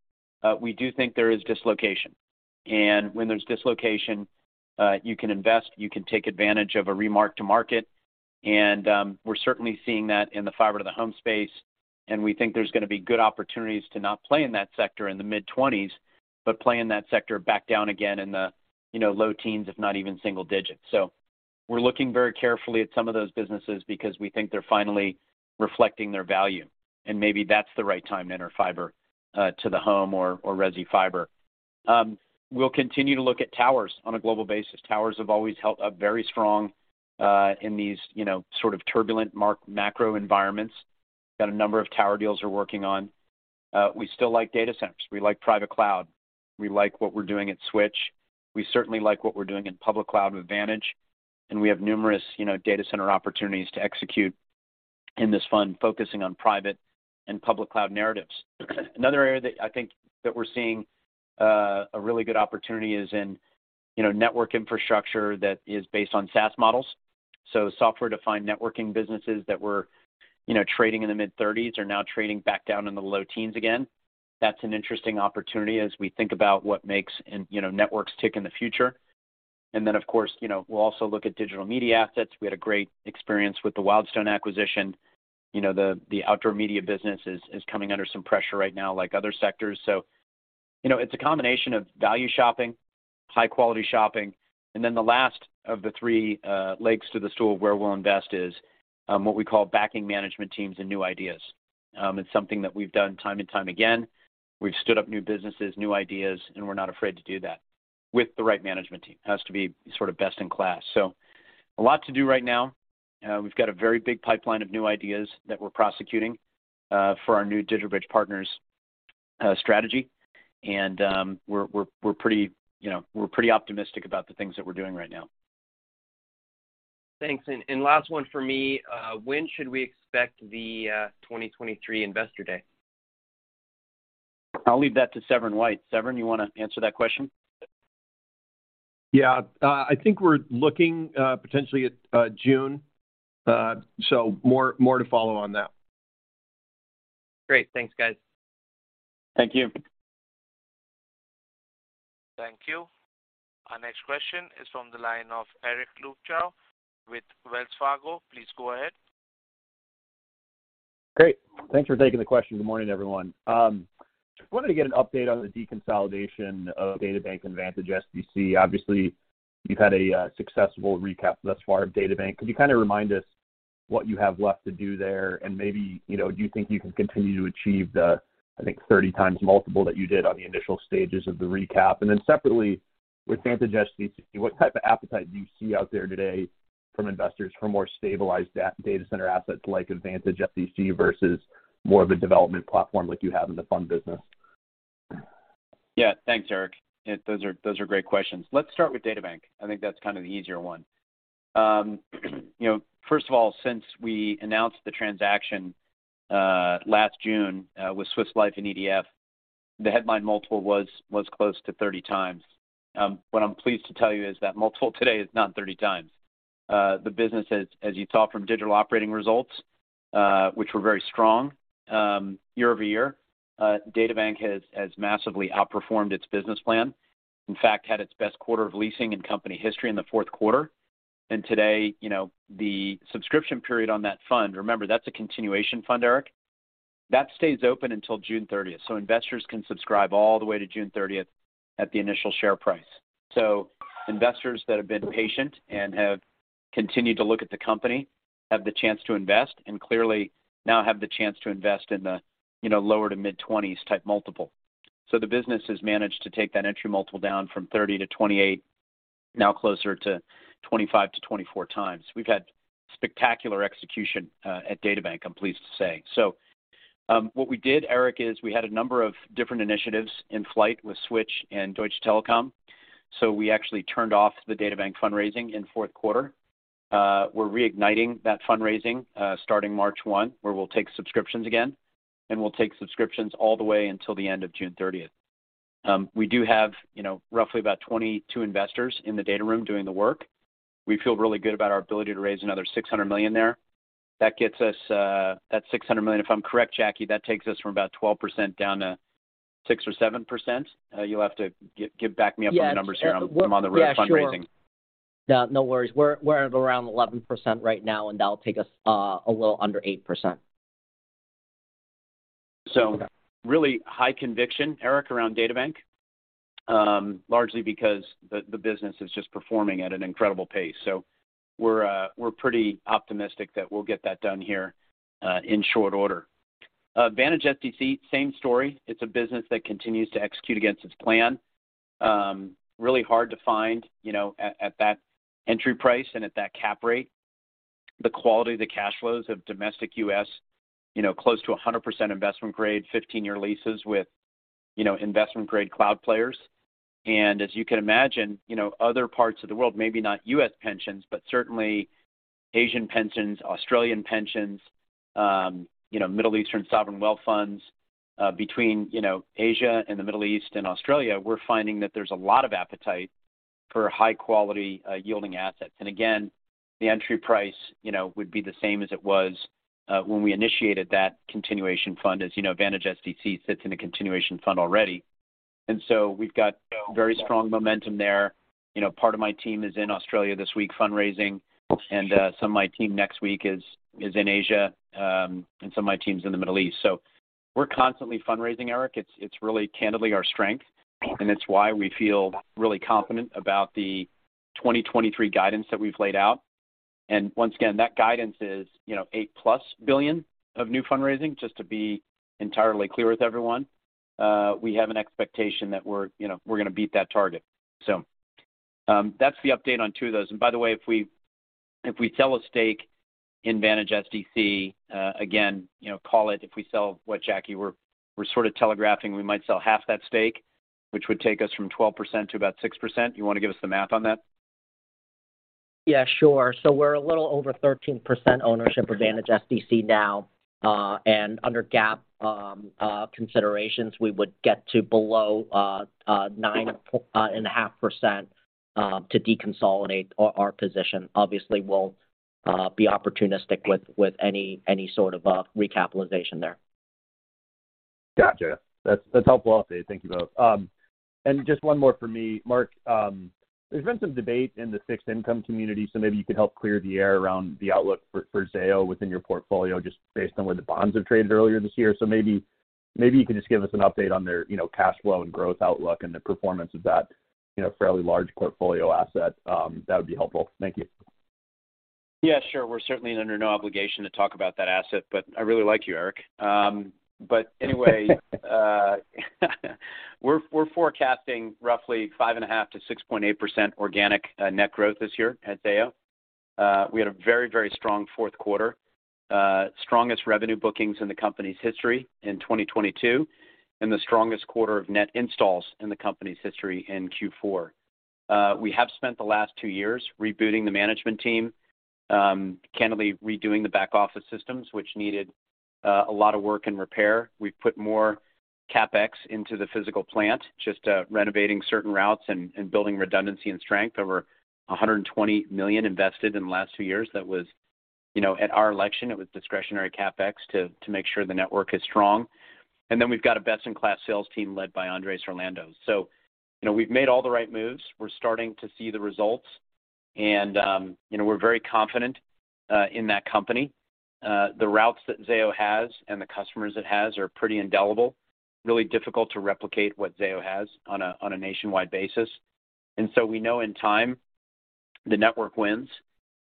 we do think there is dislocation. When there's dislocation, you can invest, you can take advantage of a remark to market. We're certainly seeing that in the fiber to the home space. We think there's gonna be good opportunities to not play in that sector in the mid-20s, but play in that sector back down again in the, you know, low teens, if not even single digits. We're looking very carefully at some of those businesses because we think they're finally reflecting their value, and maybe that's the right time to enter fiber to the home or resi fiber. We'll continue to look at towers on a global basis. Towers have always held up very strong in these, you know, sort of turbulent macro environments. Got a number of tower deals we're working on. We still like data centers. We like private cloud. We like what we're doing at Switch. We certainly like what we're doing in public cloud with Vantage. We have numerous, you know, data center opportunities to execute in this fund, focusing on private and public cloud narratives. Another area that I think that we're seeing a really good opportunity is in, you know, network infrastructure that is based on SaaS models. Software-defined networking businesses that were, you know, trading in the mid-30s are now trading back down in the low teens again. That's an interesting opportunity as we think about what makes, you know, networks tick in the future. Then, of course, you know, we'll also look at digital media assets. We had a great experience with the Wildstone acquisition. You know, the outdoor media business is coming under some pressure right now, like other sectors. You know, it's a combination of value shopping, high-quality shopping. The last of the three legs to the stool where we'll invest is what we call backing management teams and new ideas. It's something that we've done time and time again. We've stood up new businesses, new ideas, and we're not afraid to do that with the right management team. It has to be sort of best in class. A lot to do right now. We've got a very big pipeline of new ideas that we're prosecuting for our new DigitalBridge Partners strategy. We're pretty, you know, we're pretty optimistic about the things that we're doing right now. Thanks. Last one for me. When should we expect the 2023 Investor Day? I'll leave that to Severin White. Severn, you wanna answer that question? Yeah. I think we're looking, potentially at, June. More, more to follow on that. Great. Thanks, guys. Thank you. Thank you. Our next question is from the line of Eric Luebchow with Wells Fargo. Please go ahead. Great. Thanks for taking the question. Good morning, everyone. wanted to get an update on the deconsolidation of DataBank and Data Centers. Obviously, you've had a successful recap thus far of DataBank. Could you kind of remind us what you have left to do there? And maybe, you know, do you think you can continue to achieve the, I think, 30 times multiple that you did on the initial stages of the recap? And then separately with Vantage Data Centers, what type of appetite do you see out there today from investors for more stabilized data center assets like Data Centers versus more of a development platform like you have in the fund business? Yeah. Thanks, Eric. Those are great questions. Let's start with DataBank. I think that's kind of the easier one. You know, first of all, since we announced the transaction last June with Swiss Life and EDF, the headline multiple was close to 30 times. What I'm pleased to tell you is that multiple today is not 30 times. The business, as you saw from Digital operating results, which were very strong year-over-year, DataBank has massively outperformed its business plan. In fact, had its best quarter of leasing in company history in the fourth quarter. Today, you know, the subscription period on that fund, remember, that's a continuation fund, Eric, that stays open until June 30th. Investors can subscribe all the way to June 30th at the initial share price. Investors that have been patient and have continued to look at the company have the chance to invest, and clearly now have the chance to invest in the, you know, lower to mid-20s type multiple. The business has managed to take that entry multiple down from 30 to 28, now closer to 25 to 24 times. We've had spectacular execution at DataBank, I'm pleased to say. What we did, Eric, is we had a number of different initiatives in flight with Switch and Deutsche Telekom. We actually turned off the DataBank fundraising in fourth quarter. We're reigniting that fundraising starting March 1, where we'll take subscriptions again, and we'll take subscriptions all the way until the end of June 30th. We do have, you know, roughly about 22 investors in the data room doing the work. We feel really good about our ability to raise another $600 million there. That gets us, that $600 million, if I'm correct, Jacky, that takes us from about 12% down to 6% or 7%. You'll have to back me up on the numbers here. I'm on the road fundraising. Yeah, sure. Yeah, no worries. We're at around 11% right now, and that'll take us a little under 8%. Really high conviction, Eric, around DataBank, largely because the business is just performing at an incredible pace. We're pretty optimistic that we'll get that done here in short order. Vantage Data Centers, same story. It's a business that continues to execute against its plan. really hard to find, you know, at that entry price and at that cap rate, the quality of the cash flows of domestic U.S., you know, close to 100% investment grade, 15-year leases with, you know, investment grade cloud players. As you can imagine, you know, other parts of the world, maybe not U.S. pensions, but certainly Asian pensions, Australian pensions, you know, Middle Eastern sovereign wealth funds. Between, you know, Asia and the Middle East and Australia, we're finding that there's a lot of appetite for high-quality yielding assets. Again, the entry price, you know, would be the same as it was when we initiated that continuation fund. As you know, Data Centers sits in a continuation fund already. We've got very strong momentum there. You know, part of my team is in Australia this week fundraising. Some of my team next week is in Asia, and some of my team's in the Middle East. We're constantly fundraising, Eric. It's really candidly our strength. Right. It's why we feel really confident about the 2023 guidance that we've laid out. Once again, that guidance is, you know, $8+ billion of new fundraising, just to be entirely clear with everyone. We have an expectation that we're, you know, we're gonna beat that target. That's the update on two of those. By the way, if we sell a stake in Vantage Data Centers, again, you know, call it if we sell what Jacky we're sort of telegraphing, we might sell half that stake, which would take us from 12% to about 6%. You wanna give us the math on that? Yeah, sure. We're a little over 13% ownership of Data Centers now. Under GAAP considerations, we would get to below 9.5% to deconsolidate our position. Obviously, we'll be opportunistic with any sort of recapitalization there. Gotcha. That's helpful update. Thank you both. Just one more for me. Marc, there's been some debate in the fixed income community, maybe you could help clear the air around the outlook for Zayo within your portfolio, just based on where the bonds have traded earlier this year. Maybe you can just give us an update on their, you know, cash flow and growth outlook and the performance of that, you know, fairly large portfolio asset, that would be helpful. Thank you. Yeah, sure. We're certainly under no obligation to talk about that asset, I really like you, Eric. Anyway, we're forecasting roughly 5.5%-6.8% organic net growth this year at Zayo. We had a very strong fourth quarter. Strongest revenue bookings in the company's history in 2022, and the strongest quarter of net installs in the company's history in Q4. We have spent the last two years rebooting the management team, candidly redoing the back office systems, which needed a lot of work and repair. We've put more CapEx into the physical plant, just renovating certain routes and building redundancy and strength. Over $120 million invested in the last two years. That was, you know, at our election, it was discretionary CapEx to make sure the network is strong. Then we've got a best-in-class sales team led by Andres Orlando. You know, we've made all the right moves. We're starting to see the results. You know, we're very confident in that company. The routes that Zayo has and the customers it has are pretty indelible. Really difficult to replicate what Zayo has on a nationwide basis. We know in time the network wins,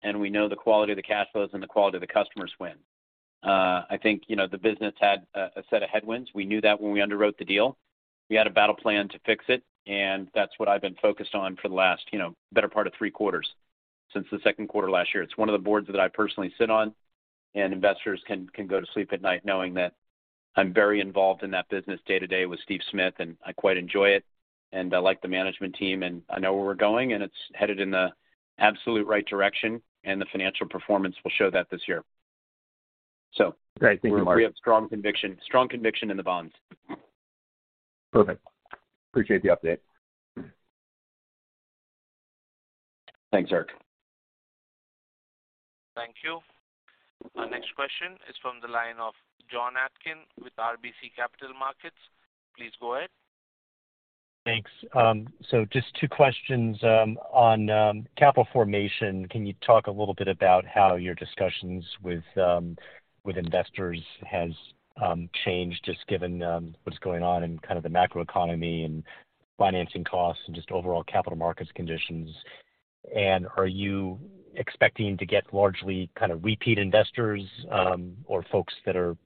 and we know the quality of the cash flows and the quality of the customers win. I think, you know, the business had a set of headwinds. We knew that when we underwrote the deal. We had a battle plan to fix it, and that's what I've been focused on for the last, you know, better part of 3 quarters, since the second quarter last year. It's one of the boards that I personally sit on, and investors can go to sleep at night knowing that I'm very involved in that business day-to-day with Steve Smith, and I quite enjoy it, and I like the management team, and I know where we're going, and it's headed in the absolute right direction, and the financial performance will show that this year. Great. Thank you, Marc. We have strong conviction in the bonds. Perfect. Appreciate the update. Thanks, Eric. Thank you. Our next question is from the line of Jonathan Atkin with RBC Capital Markets. Please go ahead. Thanks. Just two questions. On capital formation, can you talk a little bit about how your discussions with investors has changed, just given what's going on in kind of the macroeconomy and financing costs and just overall capital markets conditions? Are you expecting to get largely kind of repeat investors, or folks that are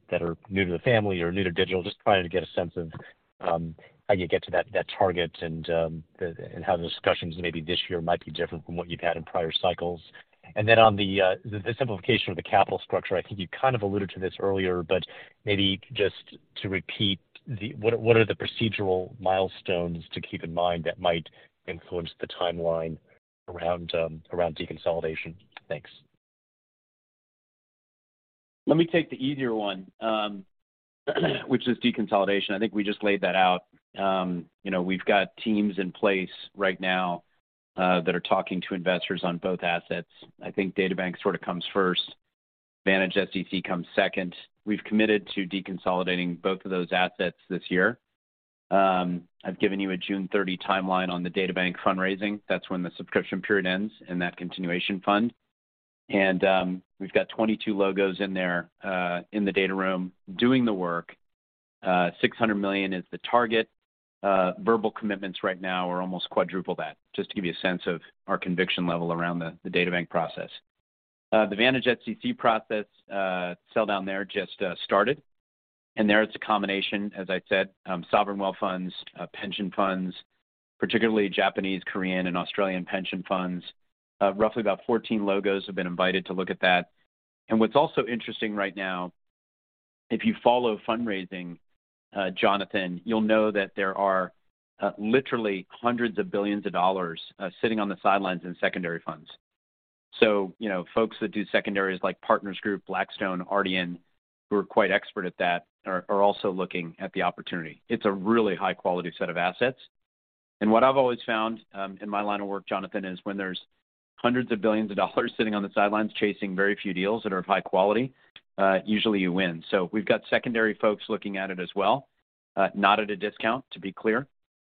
new to the family or new to DigitalBridge? Just trying to get a sense of how you get to that target and how the discussions maybe this year might be different from what you've had in prior cycles. Then on the the simplification of the capital structure, I think you kind of alluded to this earlier, but maybe just to repeat, what are the procedural milestones to keep in mind that might influence the timeline around around deconsolidation? Thanks. Let me take the easier one, which is deconsolidation. I think we just laid that out. You know, we've got teams in place right now that are talking to investors on both assets. I think DataBank sort of comes first. Data Centers comes second. We've committed to deconsolidating both of those assets this year. I've given you a June 30 timeline on the DataBank fundraising. That's when the subscription period ends in that continuation fund. We've got 22 logos in there in the data room doing the work. $600 million is the target. Verbal commitments right now are almost quadruple that, just to give you a sense of our conviction level around the DataBank process. The Data Centers process, sell down there just started. There it's a combination, as I said, sovereign wealth funds, pension funds, particularly Japanese, Korean and Australian pension funds. Roughly about 14 logos have been invited to look at that. What's also interesting right now, if you follow fundraising, Jonathan, you'll know that there are literally hundreds of billions of dollars sitting on the sidelines in secondary funds. You know, folks that do secondaries like Partners Group, Blackstone, Ardian, who are quite expert at that are also looking at the opportunity. It's a really high quality set of assets. What I've always found in my line of work, Jonathan, is when there's hundreds of billions of dollars sitting on the sidelines chasing very few deals that are of high quality, usually you win. We've got secondary folks looking at it as well. Not at a discount to be clear.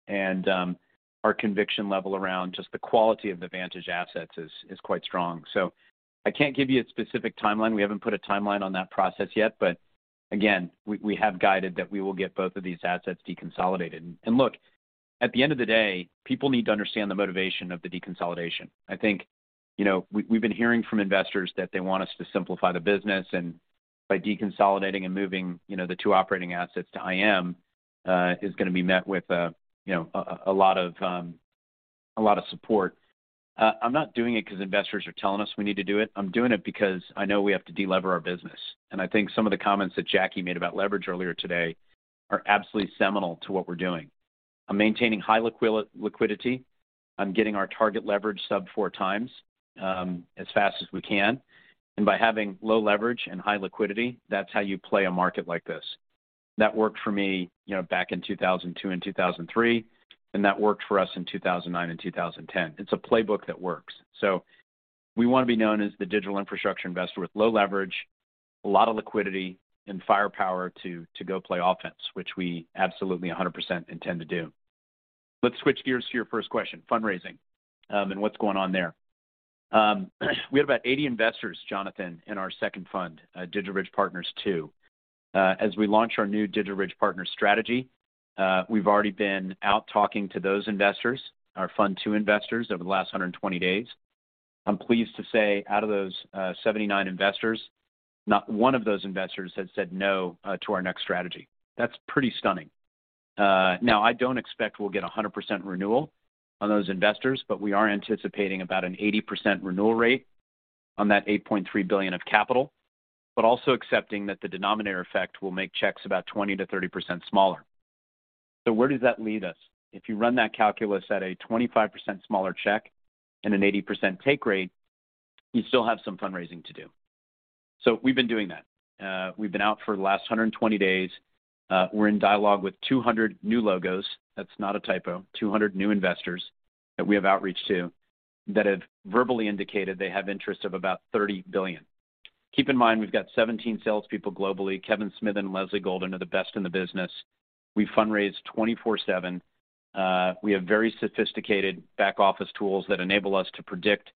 Our conviction level around just the quality of the Vantage assets is quite strong. I can't give you a specific timeline. We haven't put a timeline on that process yet. Again, we have guided that we will get both of these assets deconsolidated. Look, at the end of the day, people need to understand the motivation of the deconsolidation. I think, you know, we've been hearing from investors that they want us to simplify the business, and by deconsolidating and moving, you know, the two operating assets to IM, is gonna be met with, you know, a lot of support. I'm not doing it 'cause investors are telling us we need to do it. I'm doing it because I know we have to de-lever our business. I think some of the comments that Jacky made about leverage earlier today are absolutely seminal to what we're doing. I'm maintaining high liquidity. I'm getting our target leverage sub 4 times as fast as we can. By having low leverage and high liquidity, that's how you play a market like this. That worked for me, you know, back in 2002 and 2003, and that worked for us in 2009 and 2010. It's a playbook that works. We wanna be known as the digital infrastructure investor with low leverage, a lot of liquidity and firepower to go play offense, which we absolutely 100% intend to do. Let's switch gears to your first question, fundraising, and what's going on there. We have about 80 investors, Jonathan, in our second fund, DigitalBridge Partners II. As we launch our new DigitalBridge Partners strategy, we've already been out talking to those investors, our fund 2 investors, over the last 120 days. I'm pleased to say, out of those, 79 investors, not 1 of those investors has said no to our next strategy. That's pretty stunning. Now I don't expect we'll get a 100% renewal on those investors, but we are anticipating about an 80% renewal rate on that $8.3 billion of capital, but also accepting that the denominator effect will make checks about 20%-30% smaller. Where does that leave us? If you run that calculus at a 25% smaller check and an 80% take rate, you still have some fundraising to do. We've been doing that. We've been out for the last 120 days. We're in dialogue with 200 new logos. That's not a typo. 200 new investors that we have outreach to that have verbally indicated they have interest of about $30 billion. Keep in mind, we've got 17 salespeople globally. Kevin Smithen and Leslie Golden are the best in the business. We fundraise twenty-four seven. We have very sophisticated back office tools that enable us to predict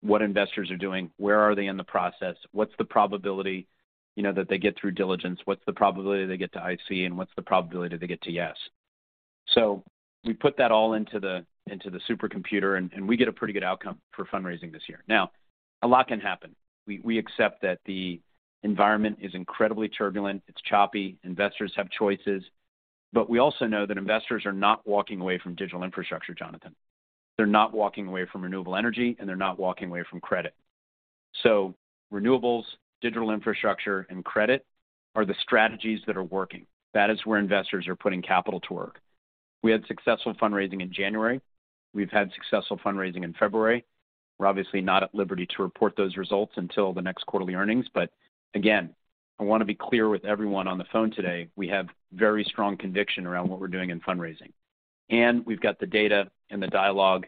what investors are doing, where are they in the process, what's the probability, you know, that they get through diligence, what's the probability they get to IC, and what's the probability that they get to yes. We put that all into the supercomputer, and we get a pretty good outcome for fundraising this year. A lot can happen. We accept that the environment is incredibly turbulent. It's choppy. Investors have choices. We also know that investors are not walking away from digital infrastructure, Jonathan. They're not walking away from renewable energy, and they're not walking away from credit. Renewables, digital infrastructure and credit are the strategies that are working. That is where investors are putting capital to work. We had successful fundraising in January. We've had successful fundraising in February. We're obviously not at liberty to report those results until the next quarterly earnings. Again, I wanna be clear with everyone on the phone today, we have very strong conviction around what we're doing in fundraising. We've got the data and the dialogue,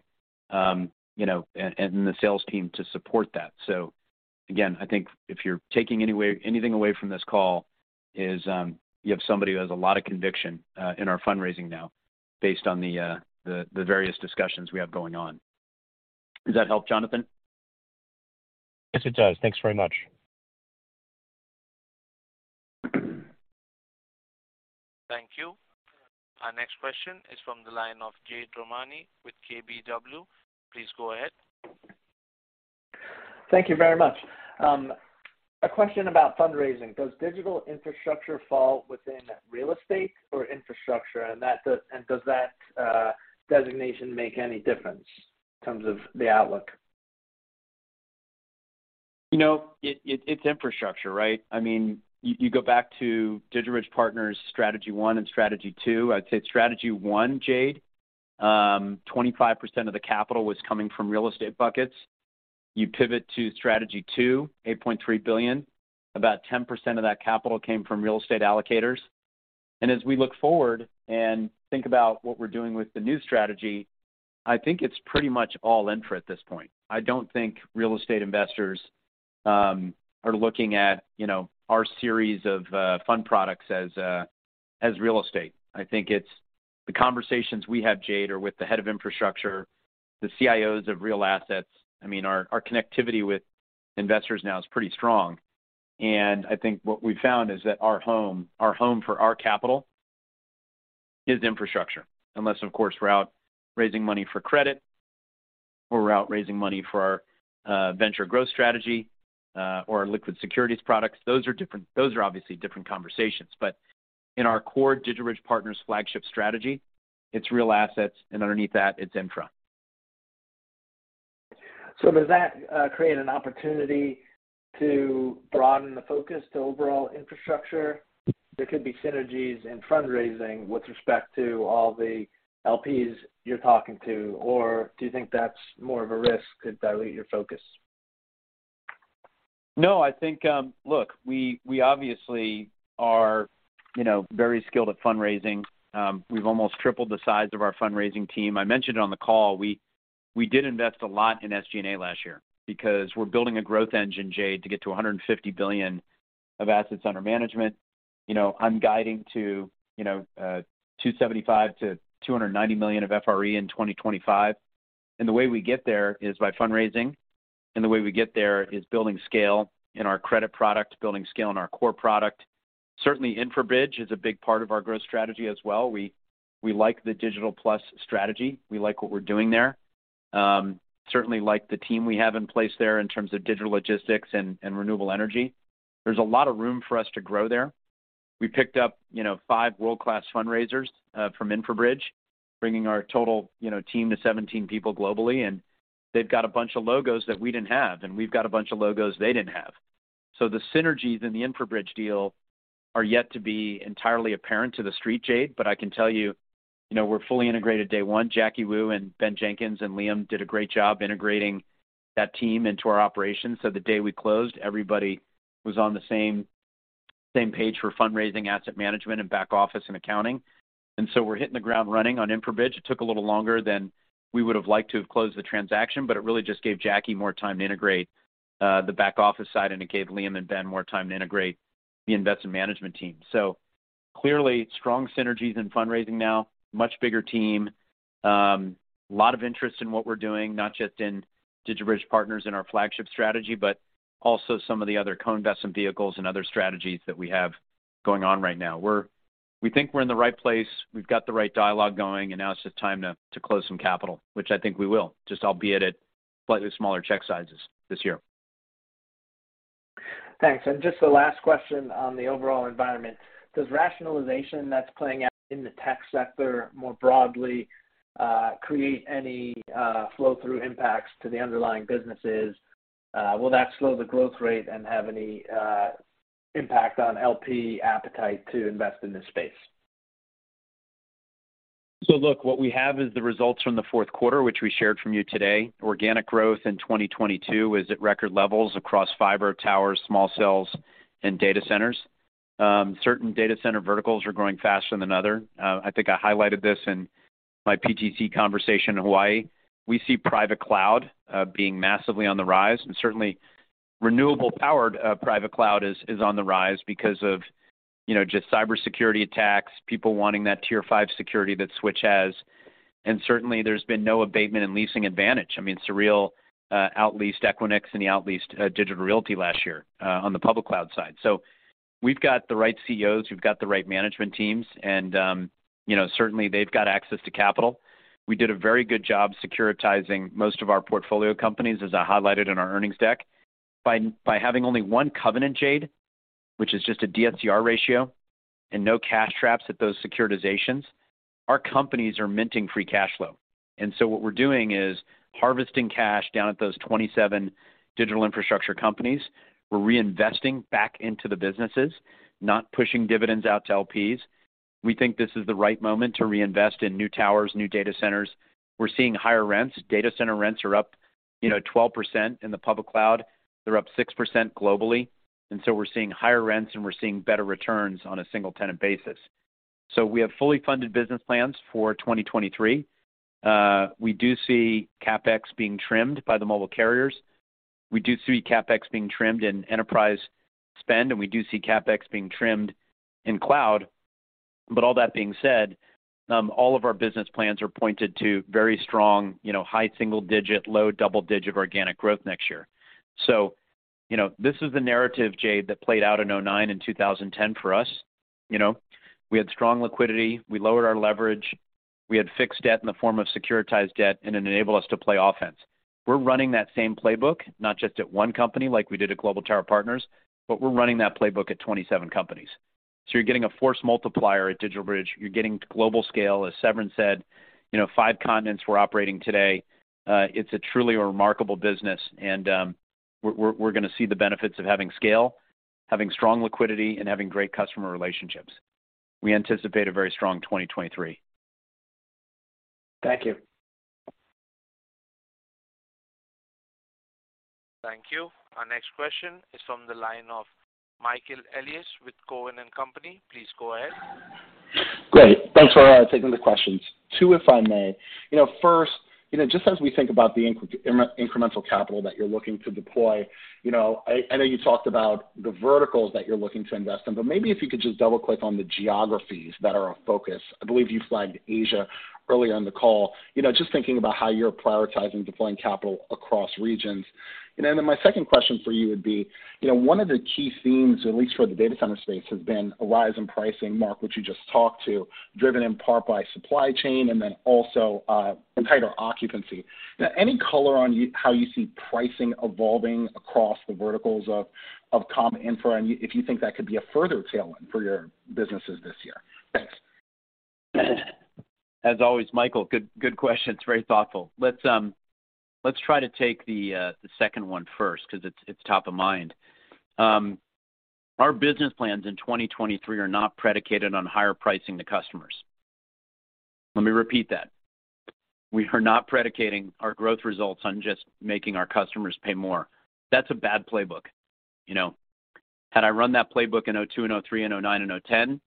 you know, and the sales team to support that. Again, I think if you're taking anything away from this call is, you have somebody who has a lot of conviction in our fundraising now based on the various discussions we have going on. Does that help, Jonathan? Yes, it does. Thanks very much. Thank you. Our next question is from the line of Jade Rahmani with KBW. Please go ahead. Thank you very much. A question about fundraising. Does digital infrastructure fall within real estate or infrastructure? Does that designation make any difference in terms of the outlook? You know, it's infrastructure, right? I mean, you go back to DigitalBridge Partners strategy 1 and strategy 2. I'd say strategy 1, Jade, 25% of the capital was coming from real estate buckets. You pivot to strategy 2, $8.3 billion, about 10% of that capital came from real estate allocators. As we look forward and think about what we're doing with the new strategy, I think it's pretty much all infra at this point. I don't think real estate investors are looking at, you know, our series of fund products as real estate. I think it's the conversations we have, Jade, or with the head of infrastructure, the CIOs of real assets. I mean, our connectivity with investors now is pretty strong. I think what we've found is that our home, our home for our capital is infrastructure. Unless of course we're out raising money for credit or we're out raising money for our venture growth strategy or our liquid securities products. Those are obviously different conversations. In our core, DigitalBridge Partners flagship strategy, it's real assets, and underneath that it's infra. Does that create an opportunity to broaden the focus to overall infrastructure? There could be synergies in fundraising with respect to all the LPs you're talking to, or do you think that's more of a risk to dilute your focus? No, I think, look, we obviously are, you know, very skilled at fundraising. We've almost tripled the size of our fundraising team. I mentioned on the call We did invest a lot in SG&A last year because we're building a growth engine, Jade, to get to $150 billion of assets under management. You know, I'm guiding to, you know, $275 million-$290 million of FRE in 2025. The way we get there is by fundraising, and the way we get there is building scale in our credit product, building scale in our core product. Certainly, InfraBridge is a big part of our growth strategy as well. We, we like the digital plus strategy. We like what we're doing there. Certainly like the team we have in place there in terms of digital logistics and renewable energy. There's a lot of room for us to grow there. We picked up, you know, five world-class fundraisers from InfraBridge, bringing our total, you know, team to 17 people globally. They've got a bunch of logos that we didn't have, and we've got a bunch of logos they didn't have. The synergies in the InfraBridge deal are yet to be entirely apparent to the street, Jade. I can tell you know, we're fully integrated day one. Jacky Wu and Ben Jenkins and Liam did a great job integrating that team into our operations. The day we closed, everybody was on the same page for fundraising, asset management, and back office and accounting. We're hitting the ground running on InfraBridge. It took a little longer than we would've liked to have closed the transaction. It really just gave Jacky more time to integrate the back office side, and it gave Liam and Ben more time to integrate the investment management team. Clearly, strong synergies in fundraising now. Much bigger team. A lot of interest in what we're doing, not just in DigitalBridge Partners in our flagship strategy, but also some of the other co-investment vehicles and other strategies that we have going on right now. We think we're in the right place, we've got the right dialogue going, and now it's just time to close some capital, which I think we will, just albeit at slightly smaller check sizes this year. Thanks. Just the last question on the overall environment. Does rationalization that's playing out in the tech sector more broadly, create any flow-through impacts to the underlying businesses? Will that slow the growth rate and have any impact on LP appetite to invest in this space? Look, what we have is the results from the fourth quarter, which we shared from you today. Organic growth in 2022 is at record levels across fiber, towers, small cells, and data centers. Certain data center verticals are growing faster than another. I think I highlighted this in my PTC conversation in Hawaii. We see private cloud being massively on the rise, and certainly renewable powered private cloud is on the rise because of, you know, just cybersecurity attacks, people wanting that tier five security that Switch has. Certainly, there's been no abatement in leasing Vantage. I mean, Vantage outleased Equinix and they outleased Digital Realty last year on the public cloud side. We've got the right CEOs, we've got the right management teams, and, you know, certainly they've got access to capital. We did a very good job securitizing most of our portfolio companies, as I highlighted in our earnings deck. By having only one covenant, Jade, which is just a DSCR ratio, and no cash traps at those securitizations, our companies are minting free cash flow. What we're doing is harvesting cash down at those 27 digital infrastructure companies. We're reinvesting back into the businesses, not pushing dividends out to LPs. We think this is the right moment to reinvest in new towers, new data centers. We're seeing higher rents. Data center rents are up, you know, 12% in the public cloud. They're up 6% globally. We're seeing higher rents, and we're seeing better returns on a single tenant basis. We have fully funded business plans for 2023. We do see CapEx being trimmed by the mobile carriers. We do see CapEx being trimmed in enterprise spend, and we do see CapEx being trimmed in cloud. All that being said, all of our business plans are pointed to very strong, you know, high single digit, low double digit organic growth next year. You know, this is the narrative, Jade, that played out in 2009 and 2010 for us. You know, we had strong liquidity. We lowered our leverage. We had fixed debt in the form of securitized debt, and it enabled us to play offense. We're running that same playbook, not just at 1 company like we did at Global Tower Partners, but we're running that playbook at 27 companies. You're getting a force multiplier at DigitalBridge. You're getting global scale. As Severin said, you know, 5 continents we're operating today. It's a truly a remarkable business and we're gonna see the benefits of having scale, having strong liquidity, and having great customer relationships. We anticipate a very strong 2023. Thank you. Thank you. Our next question is from the line of Michael Elias with Cowen and Company. Please go ahead. Great. Thanks for taking the questions. Two, if I may. You know, first, you know, just as we think about the incremental capital that you're looking to deploy, you know, I know you talked about the verticals that you're looking to invest in, but maybe if you could just double-click on the geographies that are of focus. I believe you flagged Asia earlier in the call. You know, just thinking about how you're prioritizing deploying capital across regions. Then my second question for you would be, you know, one of the key themes, at least for the data center space, has been a rise in pricing, Marc, which you just talked to, driven in part by supply chain and then also and tighter occupancy. Any color on how you see pricing evolving across the verticals of comm infra, and if you think that could be a further tailwind for your businesses this year? Thanks. Always, Michael, good questions. Very thoughtful. Let's try to take the second one first 'cause it's top of mind. Our business plans in 2023 are not predicated on higher pricing to customers. Let me repeat that. We are not predicating our growth results on just making our customers pay more. That's a bad playbook, you know. Had I run that playbook in 2002 and 2003, and 2009 and 2010.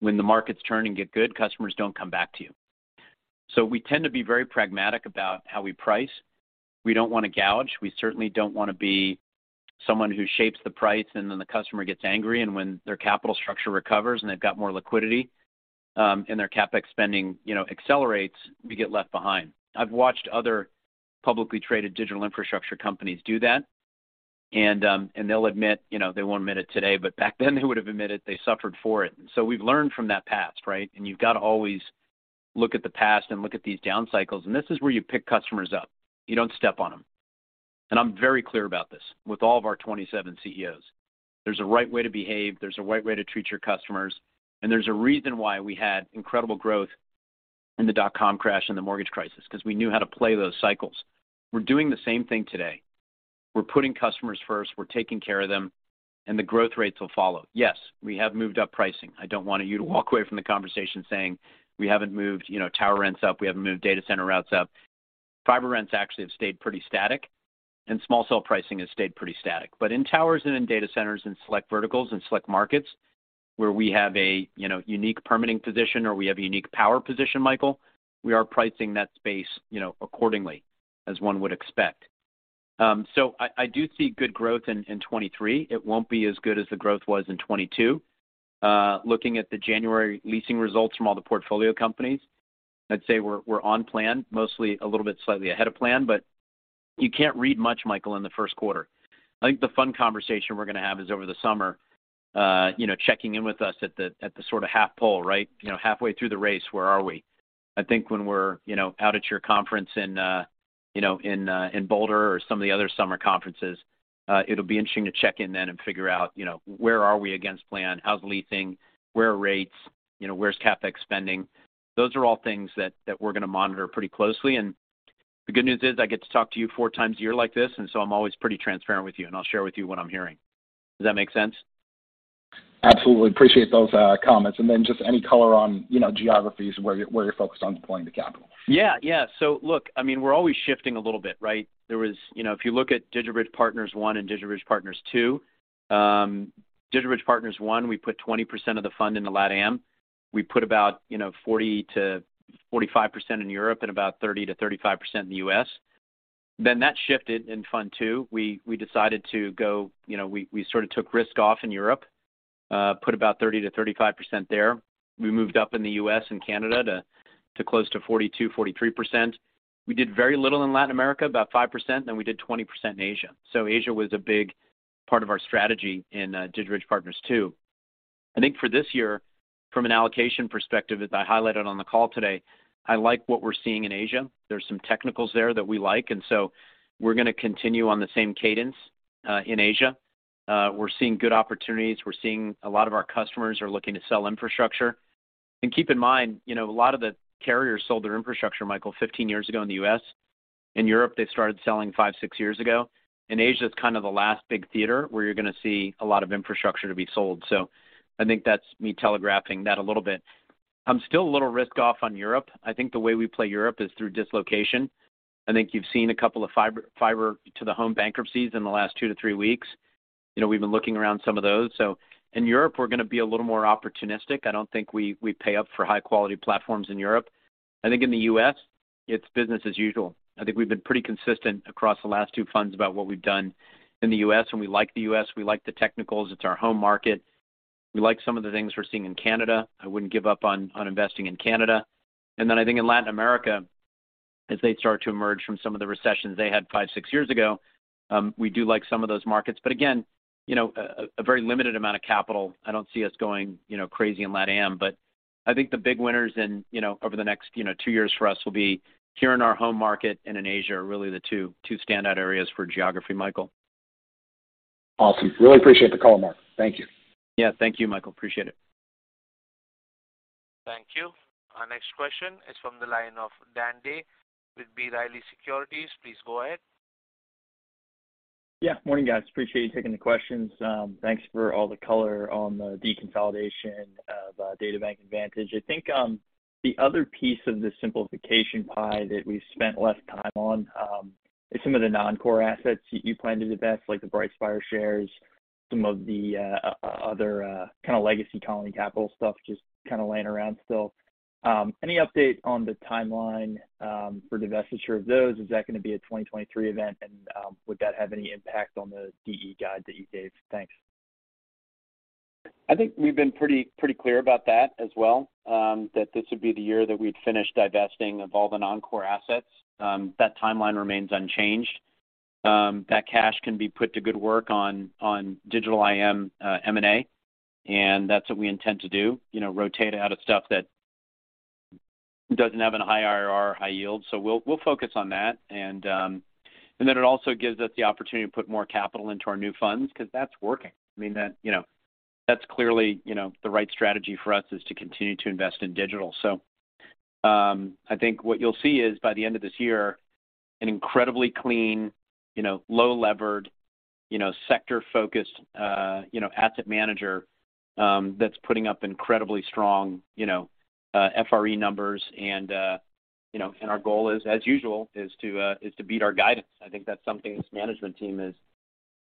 When the markets turn and get good, customers don't come back to you. We tend to be very pragmatic about how we price. We don't want to gouge. We certainly don't want to be someone who shapes the price and then the customer gets angry. When their capital structure recovers and they've got more liquidity, and their CapEx spending, you know, accelerates, we get left behind. I've watched other publicly traded digital infrastructure companies do that, and they'll admit, you know, they won't admit it today, but back then they would have admitted they suffered for it. So we've learned from that past, right? You've got to always look at the past and look at these down cycles. This is where you pick customers up. You don't step on them. I'm very clear about this with all of our 27 CEOs. There's a right way to behave, there's a right way to treat your customers, and there's a reason why we had incredible growth in the dot-com crash and the mortgage crisis, because we knew how to play those cycles. We're doing the same thing today. We're putting customers first. We're taking care of them, and the growth rates will follow. Yes, we have moved up pricing. I don't want you to walk away from the conversation saying we haven't moved, you know, tower rents up. We haven't moved data center routes up. Fiber rents actually have stayed pretty static, and small cell pricing has stayed pretty static. In towers and in data centers and select verticals and select markets where we have a, you know, unique permitting position or we have a unique power position, Michael, we are pricing that space, you know, accordingly, as one would expect. I do see good growth in 2023. It won't be as good as the growth was in 2022. Looking at the January leasing results from all the portfolio companies, I'd say we're on plan, mostly a little bit slightly ahead of plan. You can't read much, Michael, in the first quarter. I think the fun conversation we're gonna have is over the summer, you know, checking in with us at the, at the sort of half pole, right? You know, halfway through the race, where are we? I think when we're, you know, out at your conference in, you know, in Boulder or some of the other summer conferences, it'll be interesting to check in then and figure out, you know, where are we against plan, how's leasing, where are rates, you know, where's CapEx spending? Those are all things that we're gonna monitor pretty closely. The good news is I get to talk to you four times a year like this, and so I'm always pretty transparent with you, and I'll share with you what I'm hearing. Does that make sense? Absolutely. Appreciate those comments. Just any color on, you know, geographies where you're focused on deploying the capital? Yeah. Yeah. Look, I mean, we're always shifting a little bit, right? You know, if you look at DigitalBridge Partners I and DigitalBridge Partners II, DigitalBridge Partners I, we put 20% of the fund into LATAM. We put about, you know, 40%-45% in Europe and about 30%-35% in the U.S. That shifted in Fund 2. We decided to go, you know, we sort of took risk off in Europe, put about 30%-35% there. We moved up in the U.S. and Canada to close to 42%-43%. We did very little in Latin America, about 5%, then we did 20% in Asia. Asia was a big part of our strategy in DigitalBridge Partners II. I think for this year, from an allocation perspective, as I highlighted on the call today, I like what we're seeing in Asia. There's some technicals there that we like. We're gonna continue on the same cadence in Asia. We're seeing good opportunities. We're seeing a lot of our customers are looking to sell infrastructure. Keep in mind, you know, a lot of the carriers sold their infrastructure, Michael, 15 years ago in the U.S. In Europe, they started selling 5, 6 years ago. Asia's kind of the last big theater where you're gonna see a lot of infrastructure to be sold. I think that's me telegraphing that a little bit. I'm still a little risk off on Europe. I think the way we play Europe is through dislocation. I think you've seen a couple of fiber to the home bankruptcies in the last two to three weeks. You know, we've been looking around some of those. In Europe, we're gonna be a little more opportunistic. I don't think we pay up for high-quality platforms in Europe. I think in the U.S., it's business as usual. I think we've been pretty consistent across the last two funds about what we've done in the U.S. We like the U.S. We like the technicals. It's our home market. We like some of the things we're seeing in Canada. I wouldn't give up on investing in Canada. I think in Latin America, as they start to emerge from some of the recessions they had five, six years ago, we do like some of those markets. Again, you know, a very limited amount of capital. I don't see us going, you know, crazy in LATAM. I think the big winners in, you know, over the next, you know, 2 years for us will be here in our home market and in Asia are really the two standout areas for geography, Michael. Awesome. Really appreciate the call, Marc. Thank you. Yeah. Thank you, Michael. Appreciate it. Thank you. Our next question is from the line of Dan Day with B. Riley Securities. Please go ahead. Yeah. Morning, guys. Appreciate you taking the questions. Thanks for all the color on the deconsolidation of DataBank and Vantage. I think the other piece of the simplification pie that we've spent less time on is some of the non-core assets you plan to divest, like the BrightSpire shares, some of the other kinda legacy Colony Capital stuff just kinda laying around still. Any update on the timeline for divestiture of those? Is that gonna be a 2023 event? Would that have any impact on the DE guide that you gave? Thanks. I think we've been pretty clear about that as well, that this would be the year that we'd finish divesting of all the non-core assets. That timeline remains unchanged. That cash can be put to good work on digital IM, M&A, and that's what we intend to do, you know, rotate out of stuff that doesn't have a high IRR or high yield. We'll focus on that. It also gives us the opportunity to put more capital into our new funds 'cause that's working. I mean, that, you know, that's clearly, you know, the right strategy for us is to continue to invest in digital. I think what you'll see is by the end of this year, an incredibly clean, you know, low levered, you know, sector-focused, you know, asset manager, that's putting up incredibly strong, you know, FRE numbers and, you know, and our goal is, as usual, is to beat our guidance. I think that's something this management team is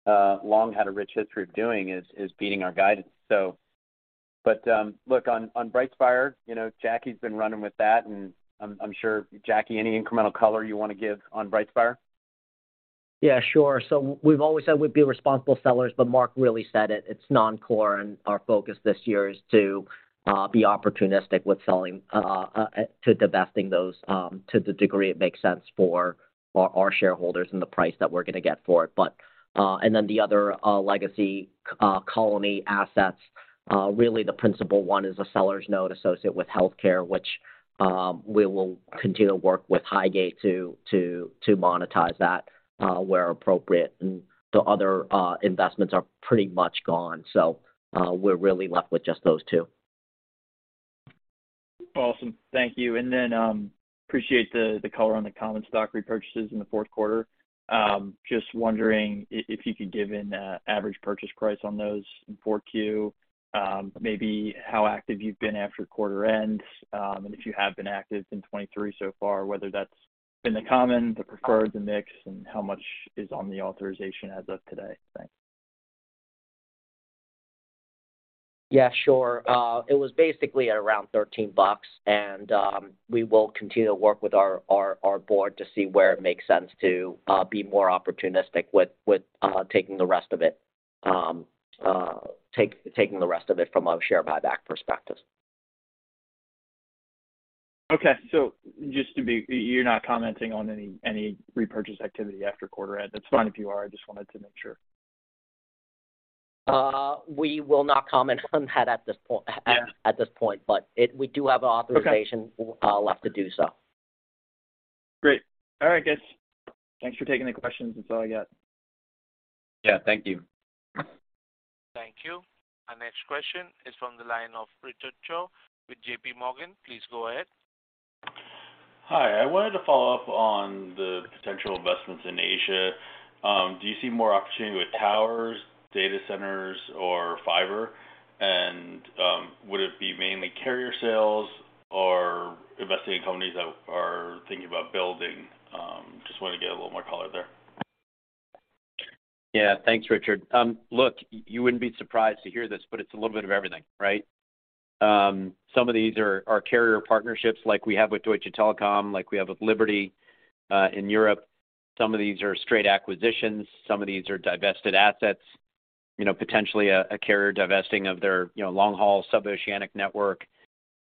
Long had a rich history of doing, is beating our guidance. But, look, on BrightSpire, you know, Jacky's been running with that, and I'm sure, Jacky, any incremental color you wanna give on BrightSpire? Yeah, sure. We've always said we'd be responsible sellers, but Marc really said it. It's non-core, and our focus this year is to be opportunistic with selling to divesting those to the degree it makes sense for our shareholders and the price that we're gonna get for it. The other legacy Colony assets, really the principal one is a seller's note associate with healthcare, which, we will continue to work with Highgate to monetize that where appropriate. The other investments are pretty much gone. We're really left with just those two. Awesome. Thank you. Appreciate the color on the common stock repurchases in the fourth quarter. Just wondering if you could give an average purchase price on those in 4Q, maybe how active you've been after quarter end, and if you have been active in 23 so far, whether that's been the common, the preferred, the mix, and how much is on the authorization as of today. Thanks. Yeah, sure. It was basically at around $13, we will continue to work with our board to see where it makes sense to be more opportunistic with taking the rest of it from a share buyback perspective. Okay. Just you're not commenting on any repurchase activity after quarter end? That's fine if you are. I just wanted to make sure. We will not comment on that at this. Yeah. At this point. We do have authorization... Okay. left to do so. Great. All right, guys. Thanks for taking the questions. That's all I got. Yeah, thank you. Thank you. Our next question is from the line of Richard Shane with J.Morgan. Please go ahead. Hi. I wanted to follow up on the potential investments in Asia. Do you see more opportunity with towers, data centers or fiber? Would it be mainly carrier sales or investing in companies that are thinking about building? Just want to get a little more color there. Yeah. Thanks, Richard. Look, you wouldn't be surprised to hear this, but it's a little bit of everything, right? Some of these are carrier partnerships like we have with Deutsche Telekom, like we have with Liberty in Europe. Some of these are straight acquisitions, some of these are divested assets, you know, potentially a carrier divesting of their, you know, long-haul sub-oceanic network.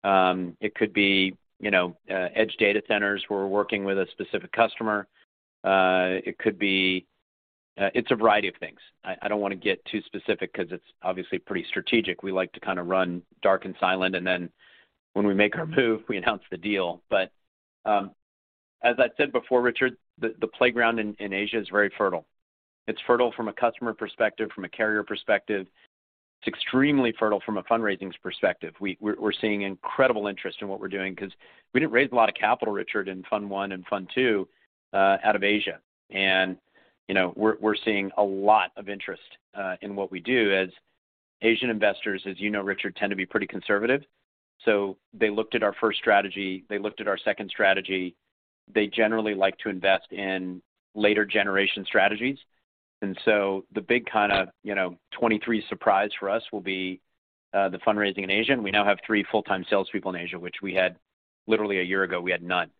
It could be, you know, edge data centers where we're working with a specific customer. It's a variety of things. I don't wanna get too specific 'cause it's obviously pretty strategic. We like to kinda run dark and silent, and then when we make our move, we announce the deal. As I said before, Richard, the playground in Asia is very fertile. It's fertile from a customer perspective, from a carrier perspective. It's extremely fertile from a fundraising perspective. We're seeing incredible interest in what we're doing 'cause we didn't raise a lot of capital, Richard, in fund one and fund two out of Asia. You know, we're seeing a lot of interest in what we do as Asian investors, as you know, Richard, tend to be pretty conservative. They looked at our first strategy, they looked at our second strategy. They generally like to invest in later generation strategies. The big kinda, you know, 23 surprise for us will be the fundraising in Asia. We now have 3 full-time sales people in Asia, which we had literally a year ago we had none.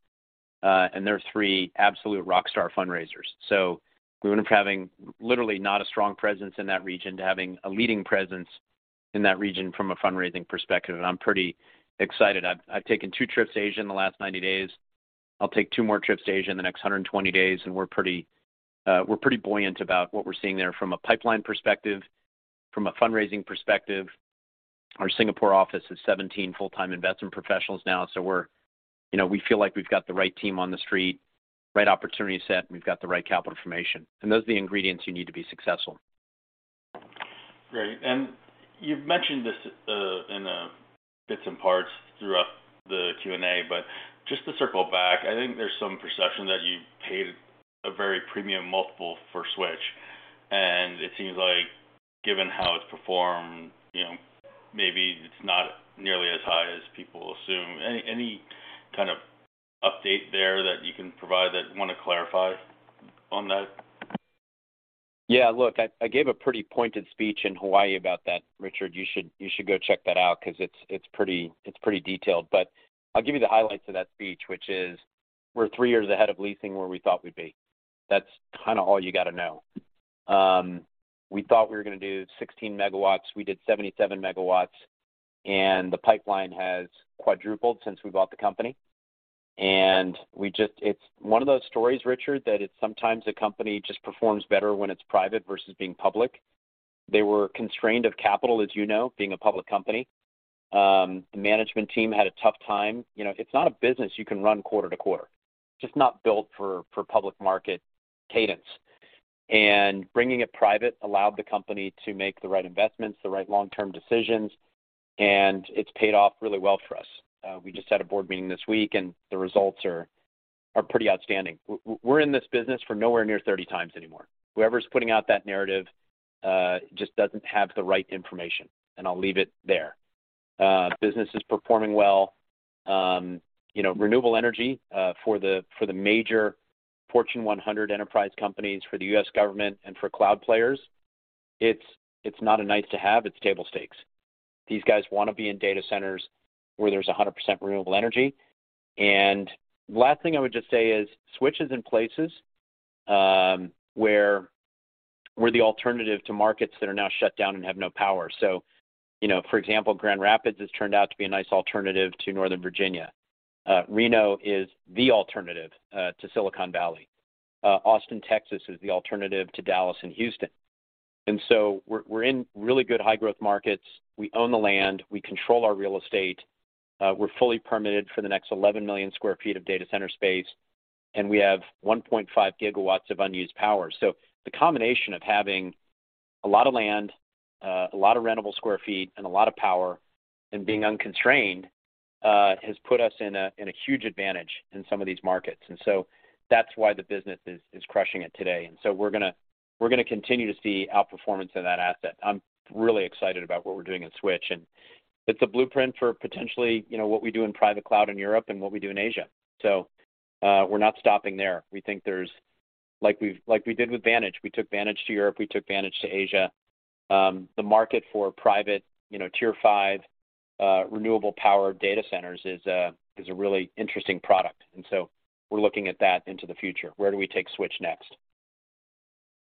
They're 3 absolute rock star fundraisers. We went from having literally not a strong presence in that region to having a leading presence in that region from a fundraising perspective. I'm pretty excited. I've taken two trips to Asia in the last 90 days. I'll take two more trips to Asia in the next 120 days, and we're pretty, we're pretty buoyant about what we're seeing there from a pipeline perspective, from a fundraising perspective. Our Singapore office has 17 full-time investment professionals now. We're you know, we feel like we've got the right team on the street, right opportunity set, and we've got the right capital formation. Those are the ingredients you need to be successful. Great. You've mentioned this, in, bits and parts throughout the Q&A, but just to circle back, I think there's some perception that you paid a very premium multiple for Switch, and it seems like given how it's performed, you know, maybe it's not nearly as high as people assume. Any, any kind of update there that you can provide that you wanna clarify on that? Yeah. Look, I gave a pretty pointed speech in Hawaii about that, Richard. You should go check that out 'cause it's pretty detailed. I'll give you the highlights of that speech, which is we're 3 years ahead of leasing where we thought we'd be. That's kinda all you gotta know. We thought we were gonna do 16 megawatts. We did 77 megawatts. The pipeline has quadrupled since we bought the company. It's one of those stories, Richard, that it's sometimes a company just performs better when it's private versus being public. They were constrained of capital, as you know, being a public company. The management team had a tough time. You know, it's not a business you can run quarter to quarter, just not built for public market cadence. Bringing it private allowed the company to make the right investments, the right long-term decisions, and it's paid off really well for us. We just had a board meeting this week, the results are pretty outstanding. We're in this business for nowhere near 30 times anymore. Whoever's putting out that narrative, just doesn't have the right information, I'll leave it there. Business is performing well. You know, renewable energy, for the major Fortune 100 enterprise companies, for the U.S. government, and for cloud players, it's not a nice-to-have, it's table stakes. These guys want to be in data centers where there's a 100% renewable energy. Last thing I would just say is Switch is in places, where the alternative to markets that are now shut down and have no power. You know, for example, Grand Rapids has turned out to be a nice alternative to Northern Virginia. Reno is the alternative to Silicon Valley. Austin, Texas, is the alternative to Dallas and Houston. We're, we're in really good high growth markets. We own the land. We control our real estate. We're fully permitted for the next 11 million sq ft of data center space, and we have 1.5 gigawatts of unused power. The combination of having a lot of land, a lot of rentable square feet and a lot of power and being unconstrained, has put us in a huge advantage in some of these markets. That's why the business is crushing it today. We're gonna, we're gonna continue to see outperformance in that asset. I'm really excited about what we're doing in Switch. It's a blueprint for potentially, you know, what we do in private cloud in Europe and what we do in Asia. We're not stopping there. We think like we did with Vantage. We took Vantage to Europe. We took Vantage to Asia. The market for private, you know, tier five renewable power data centers is a really interesting product. We're looking at that into the future. Where do we take Switch next?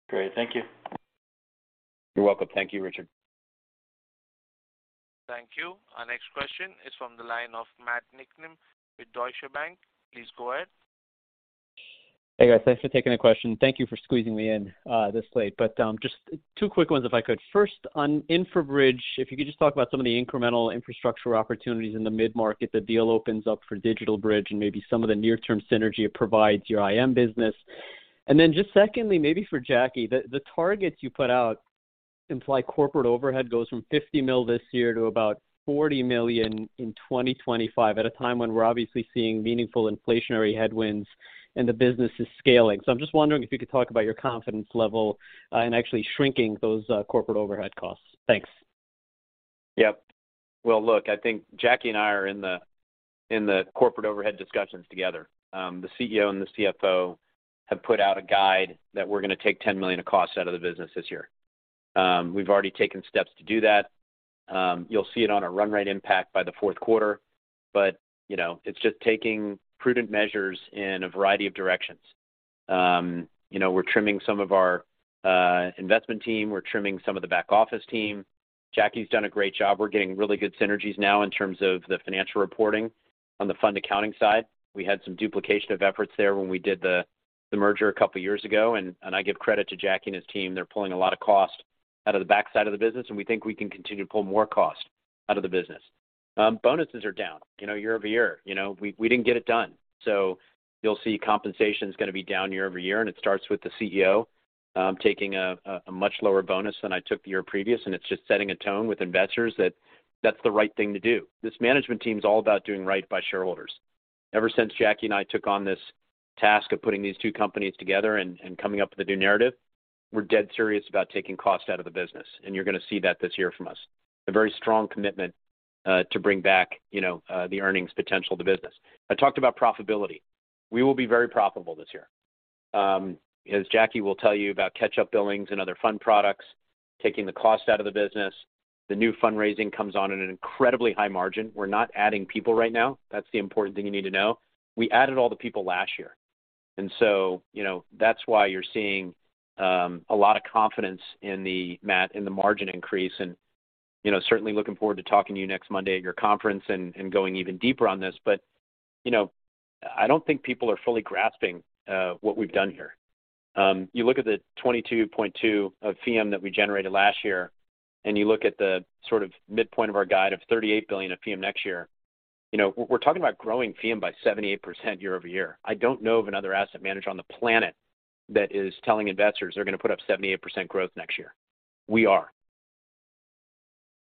Great. Thank you. You're welcome. Thank you, Richard. Thank you. Our next question is from the line of Matt Niknam with Deutsche Bank. Please go ahead. Hey, guys. Thanks for taking the question. Thank you for squeezing me in this late. Just two quick ones if I could. First, on InfraBridge, if you could just talk about some of the incremental infrastructure opportunities in the mid-market the deal opens up for DigitalBridge and maybe some of the near-term synergy it provides your IM business. Just secondly, maybe for Jacky, the targets you put out imply corporate overhead goes from $50 million this year to about $40 million in 2025, at a time when we're obviously seeing meaningful inflationary headwinds and the business is scaling. I'm just wondering if you could talk about your confidence level in actually shrinking those corporate overhead costs. Thanks. Yep. Well, look, I think Jacky and I are in the corporate overhead discussions together. The CEO and the CFO have put out a guide that we're gonna take $10 million of costs out of the business this year. We've already taken steps to do that. You'll see it on a run rate impact by the fourth quarter, but, you know, it's just taking prudent measures in a variety of directions. You know, we're trimming some of our investment team. We're trimming some of the back office team. Jacky's done a great job. We're getting really good synergies now in terms of the financial reporting on the fund accounting side. We had some duplication of efforts there when we did the merger a couple of years ago, I give credit to Jacky and his team. They're pulling a lot of cost out of the backside of the business, and we think we can continue to pull more cost out of the business. Bonuses are down, you know, year-over-year. You know, we didn't get it done. You'll see compensation is gonna be down year-over-year, and it starts with the CEO taking a much lower bonus than I took the year previous. It's just setting a tone with investors that that's the right thing to do. This management team is all about doing right by shareholders. Ever since Jacky and I took on this task of putting these two companies together and coming up with a new narrative, we're dead serious about taking cost out of the business, and you're gonna see that this year from us. A very strong commitment, to bring back, you know, the earnings potential of the business. I talked about profitability. We will be very profitable this year. As Jacky will tell you about catch-up billings and other fund products, taking the cost out of the business. The new fundraising comes on at an incredibly high margin. We're not adding people right now. That's the important thing you need to know. We added all the people last year. You know, that's why you're seeing, a lot of confidence in the, Matt, in the margin increase and, you know, certainly looking forward to talking to you next Monday at your conference and going even deeper on this. You know, I don't think people are fully grasping, what we've done here. You look at the $22.2 of fee that we generated last year, and you look at the sort of midpoint of our guide of $38 billion of fee next year. You know, we're talking about growing fee by 78% year-over-year. I don't know of another asset manager on the planet that is telling investors they're gonna put up 78% growth next year. We are.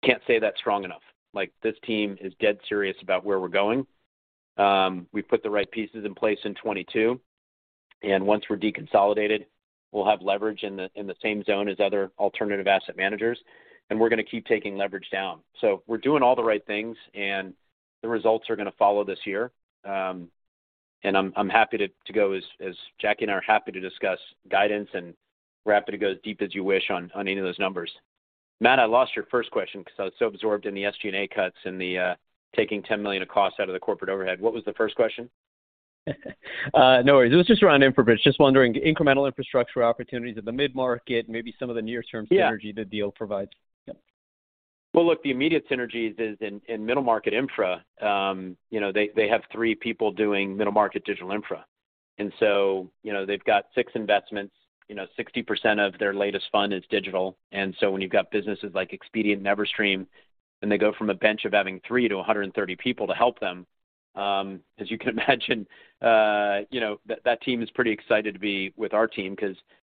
Can't say that strong enough. Like, this team is dead serious about where we're going. We put the right pieces in place in 2022, and once we're deconsolidated, we'll have leverage in the same zone as other alternative asset managers, and we're gonna keep taking leverage down. We're doing all the right things, and the results are gonna follow this year. I'm happy to go as Jacky and I are happy to discuss guidance and we're happy to go as deep as you wish on any of those numbers. Matt, I lost your first question 'cause I was so absorbed in the SG&A cuts and the taking $10 million of costs out of the corporate overhead. What was the first question? No worries. It was just around InfraBridge. Just wondering, incremental infrastructure opportunities at the mid-market, maybe some of the near-term-. Yeah... synergy the deal provides. Yeah. Well, look, the immediate synergies is in middle market infra. You know, they have three people doing middle market digital infra. You know, they've got six investments. You know, 60% of their latest fund is digital. When you've got businesses like Expedient Everstream, and they go from a bench of having three to 130 people to help them, as you can imagine, you know, that team is pretty excited to be with our team 'cause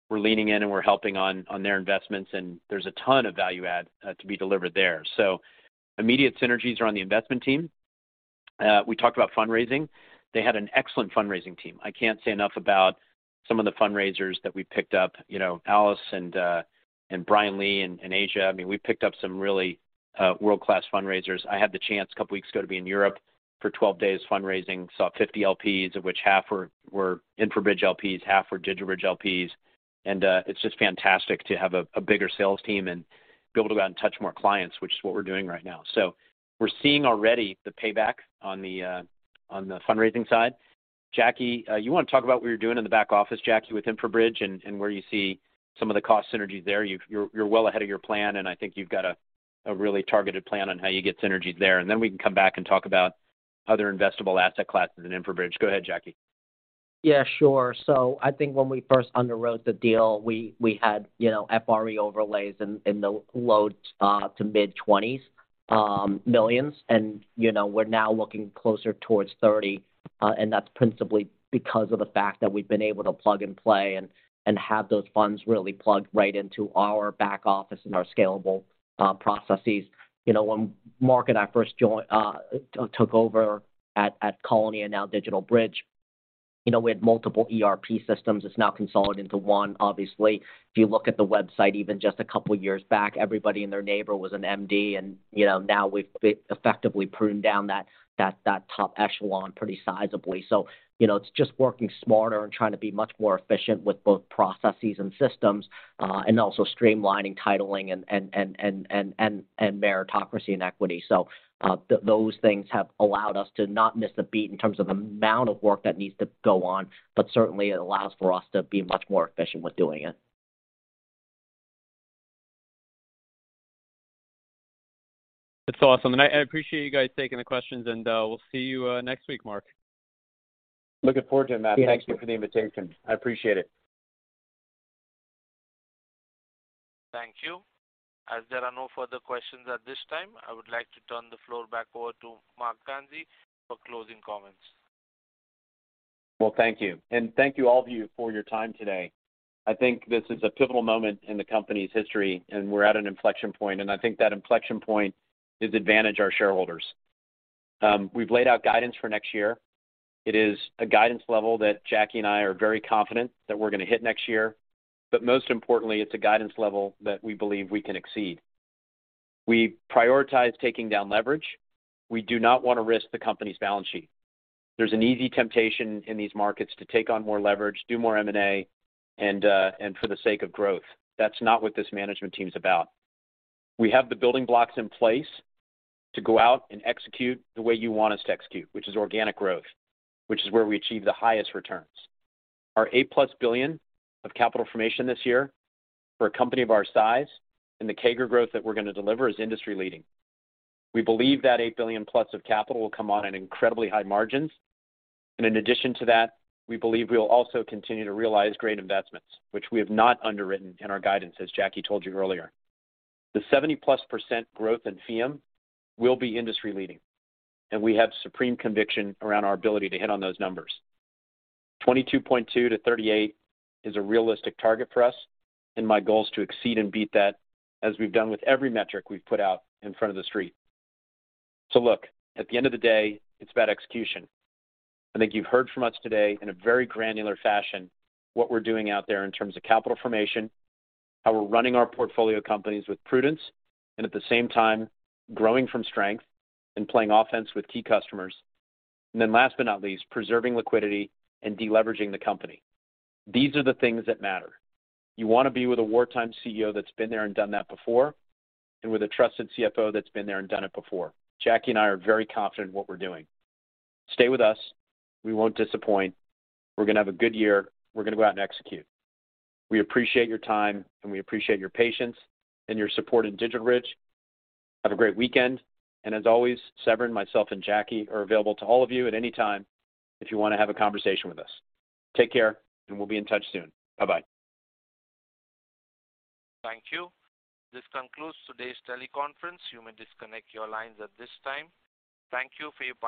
we're leaning in, and we're helping on their investments, and there's a ton of value add to be delivered there. Immediate synergies are on the investment team. We talked about fundraising. They had an excellent fundraising team. I can't say enough about some of the fundraisers that we picked up. You know, Alice Lo and Brian Li in Asia. I mean, we picked up some really world-class fundraisers. I had the chance a couple weeks ago to be in Europe for 12 days fundraising. Saw 50 LPs of which half were InfraBridge LPs, half were DigitalBridge LPs. It's just fantastic to have a bigger sales team and be able to go out and touch more clients, which is what we're doing right now. We're seeing already the payback on the fundraising side. Jacky, you wanna talk about what you're doing in the back office, Jacky, with InfraBridge and where you see some of the cost synergies there? You're well ahead of your plan, and I think you've got a really targeted plan on how you get synergies there. We can come back and talk about other investable asset classes in InfraBridge. Go ahead, Jacky. Sure. I think when we first underwrote the deal, we had, you know, FRE overlays in the low to mid-$20 million. You know, we're now looking closer towards $30 million, and that's principally because of the fact that we've been able to plug and play and have those funds really plugged right into our back office and our scalable processes. You know, when Marc and I first joined, took over at Colony and now DigitalBridge, you know, we had multiple ERP systems. It's now consolidated into one obviously. If you look at the website even just a couple of years back, everybody and their neighbor was an MD, and you know, now we've effectively pruned down that top echelon pretty sizably. You know, it's just working smarter and trying to be much more efficient with both processes and systems, and also streamlining titling and meritocracy and equity. Those things have allowed us to not miss a beat in terms of amount of work that needs to go on, but certainly it allows for us to be much more efficient with doing it. That's awesome. I appreciate you guys taking the questions and we'll see you next week, Marc. Looking forward to it, Matt. Thank you for the invitation. I appreciate it. Thank you. As there are no further questions at this time, I would like to turn the floor back over to Marc Ganzi for closing comments. Well, thank you. Thank you all of you for your time today. I think this is a pivotal moment in the company's history, and we're at an inflection point, and I think that inflection point is advantage our shareholders. We've laid out guidance for next year. It is a guidance level that Jacky and I are very confident that we're gonna hit next year. Most importantly, it's a guidance level that we believe we can exceed. We prioritize taking down leverage. We do not wanna risk the company's balance sheet. There's an easy temptation in these markets to take on more leverage, do more M&A, and for the sake of growth. That's not what this management team is about. We have the building blocks in place to go out and execute the way you want us to execute, which is organic growth, which is where we achieve the highest returns. Our $8-plus billion of capital formation this year, for a company of our size and the CAGR growth that we're gonna deliver, is industry-leading. We believe that $8 billion-plus of capital will come on at incredibly high margins. In addition to that, we believe we'll also continue to realize great investments, which we have not underwritten in our guidance, as Jacky told you earlier. The 70-plus% growth in FEEUM will be industry-leading, and we have supreme conviction around our ability to hit on those numbers. 22.2 to 38 is a realistic target for us. My goal is to exceed and beat that as we've done with every metric we've put out in front of the street. Look, at the end of the day, it's about execution. I think you've heard from us today in a very granular fashion what we're doing out there in terms of capital formation, how we're running our portfolio companies with prudence, and at the same time growing from strength and playing offense with key customers. Last but not least, preserving liquidity and de-leveraging the company. These are the things that matter. You wanna be with a wartime CEO that's been there and done that before, and with a trusted CFO that's been there and done it before. Jacky and I are very confident in what we're doing. Stay with us. We won't disappoint. We're gonna have a good year. We're gonna go out and execute. We appreciate your time, and we appreciate your patience and your support in DigitalBridge. Have a great weekend. As always, Severin, myself, and Jacky are available to all of you at any time if you wanna have a conversation with us. Take care, and we'll be in touch soon. Bye-bye. Thank you. This concludes today's teleconference. You may disconnect your lines at this time. Thank you for your pa-.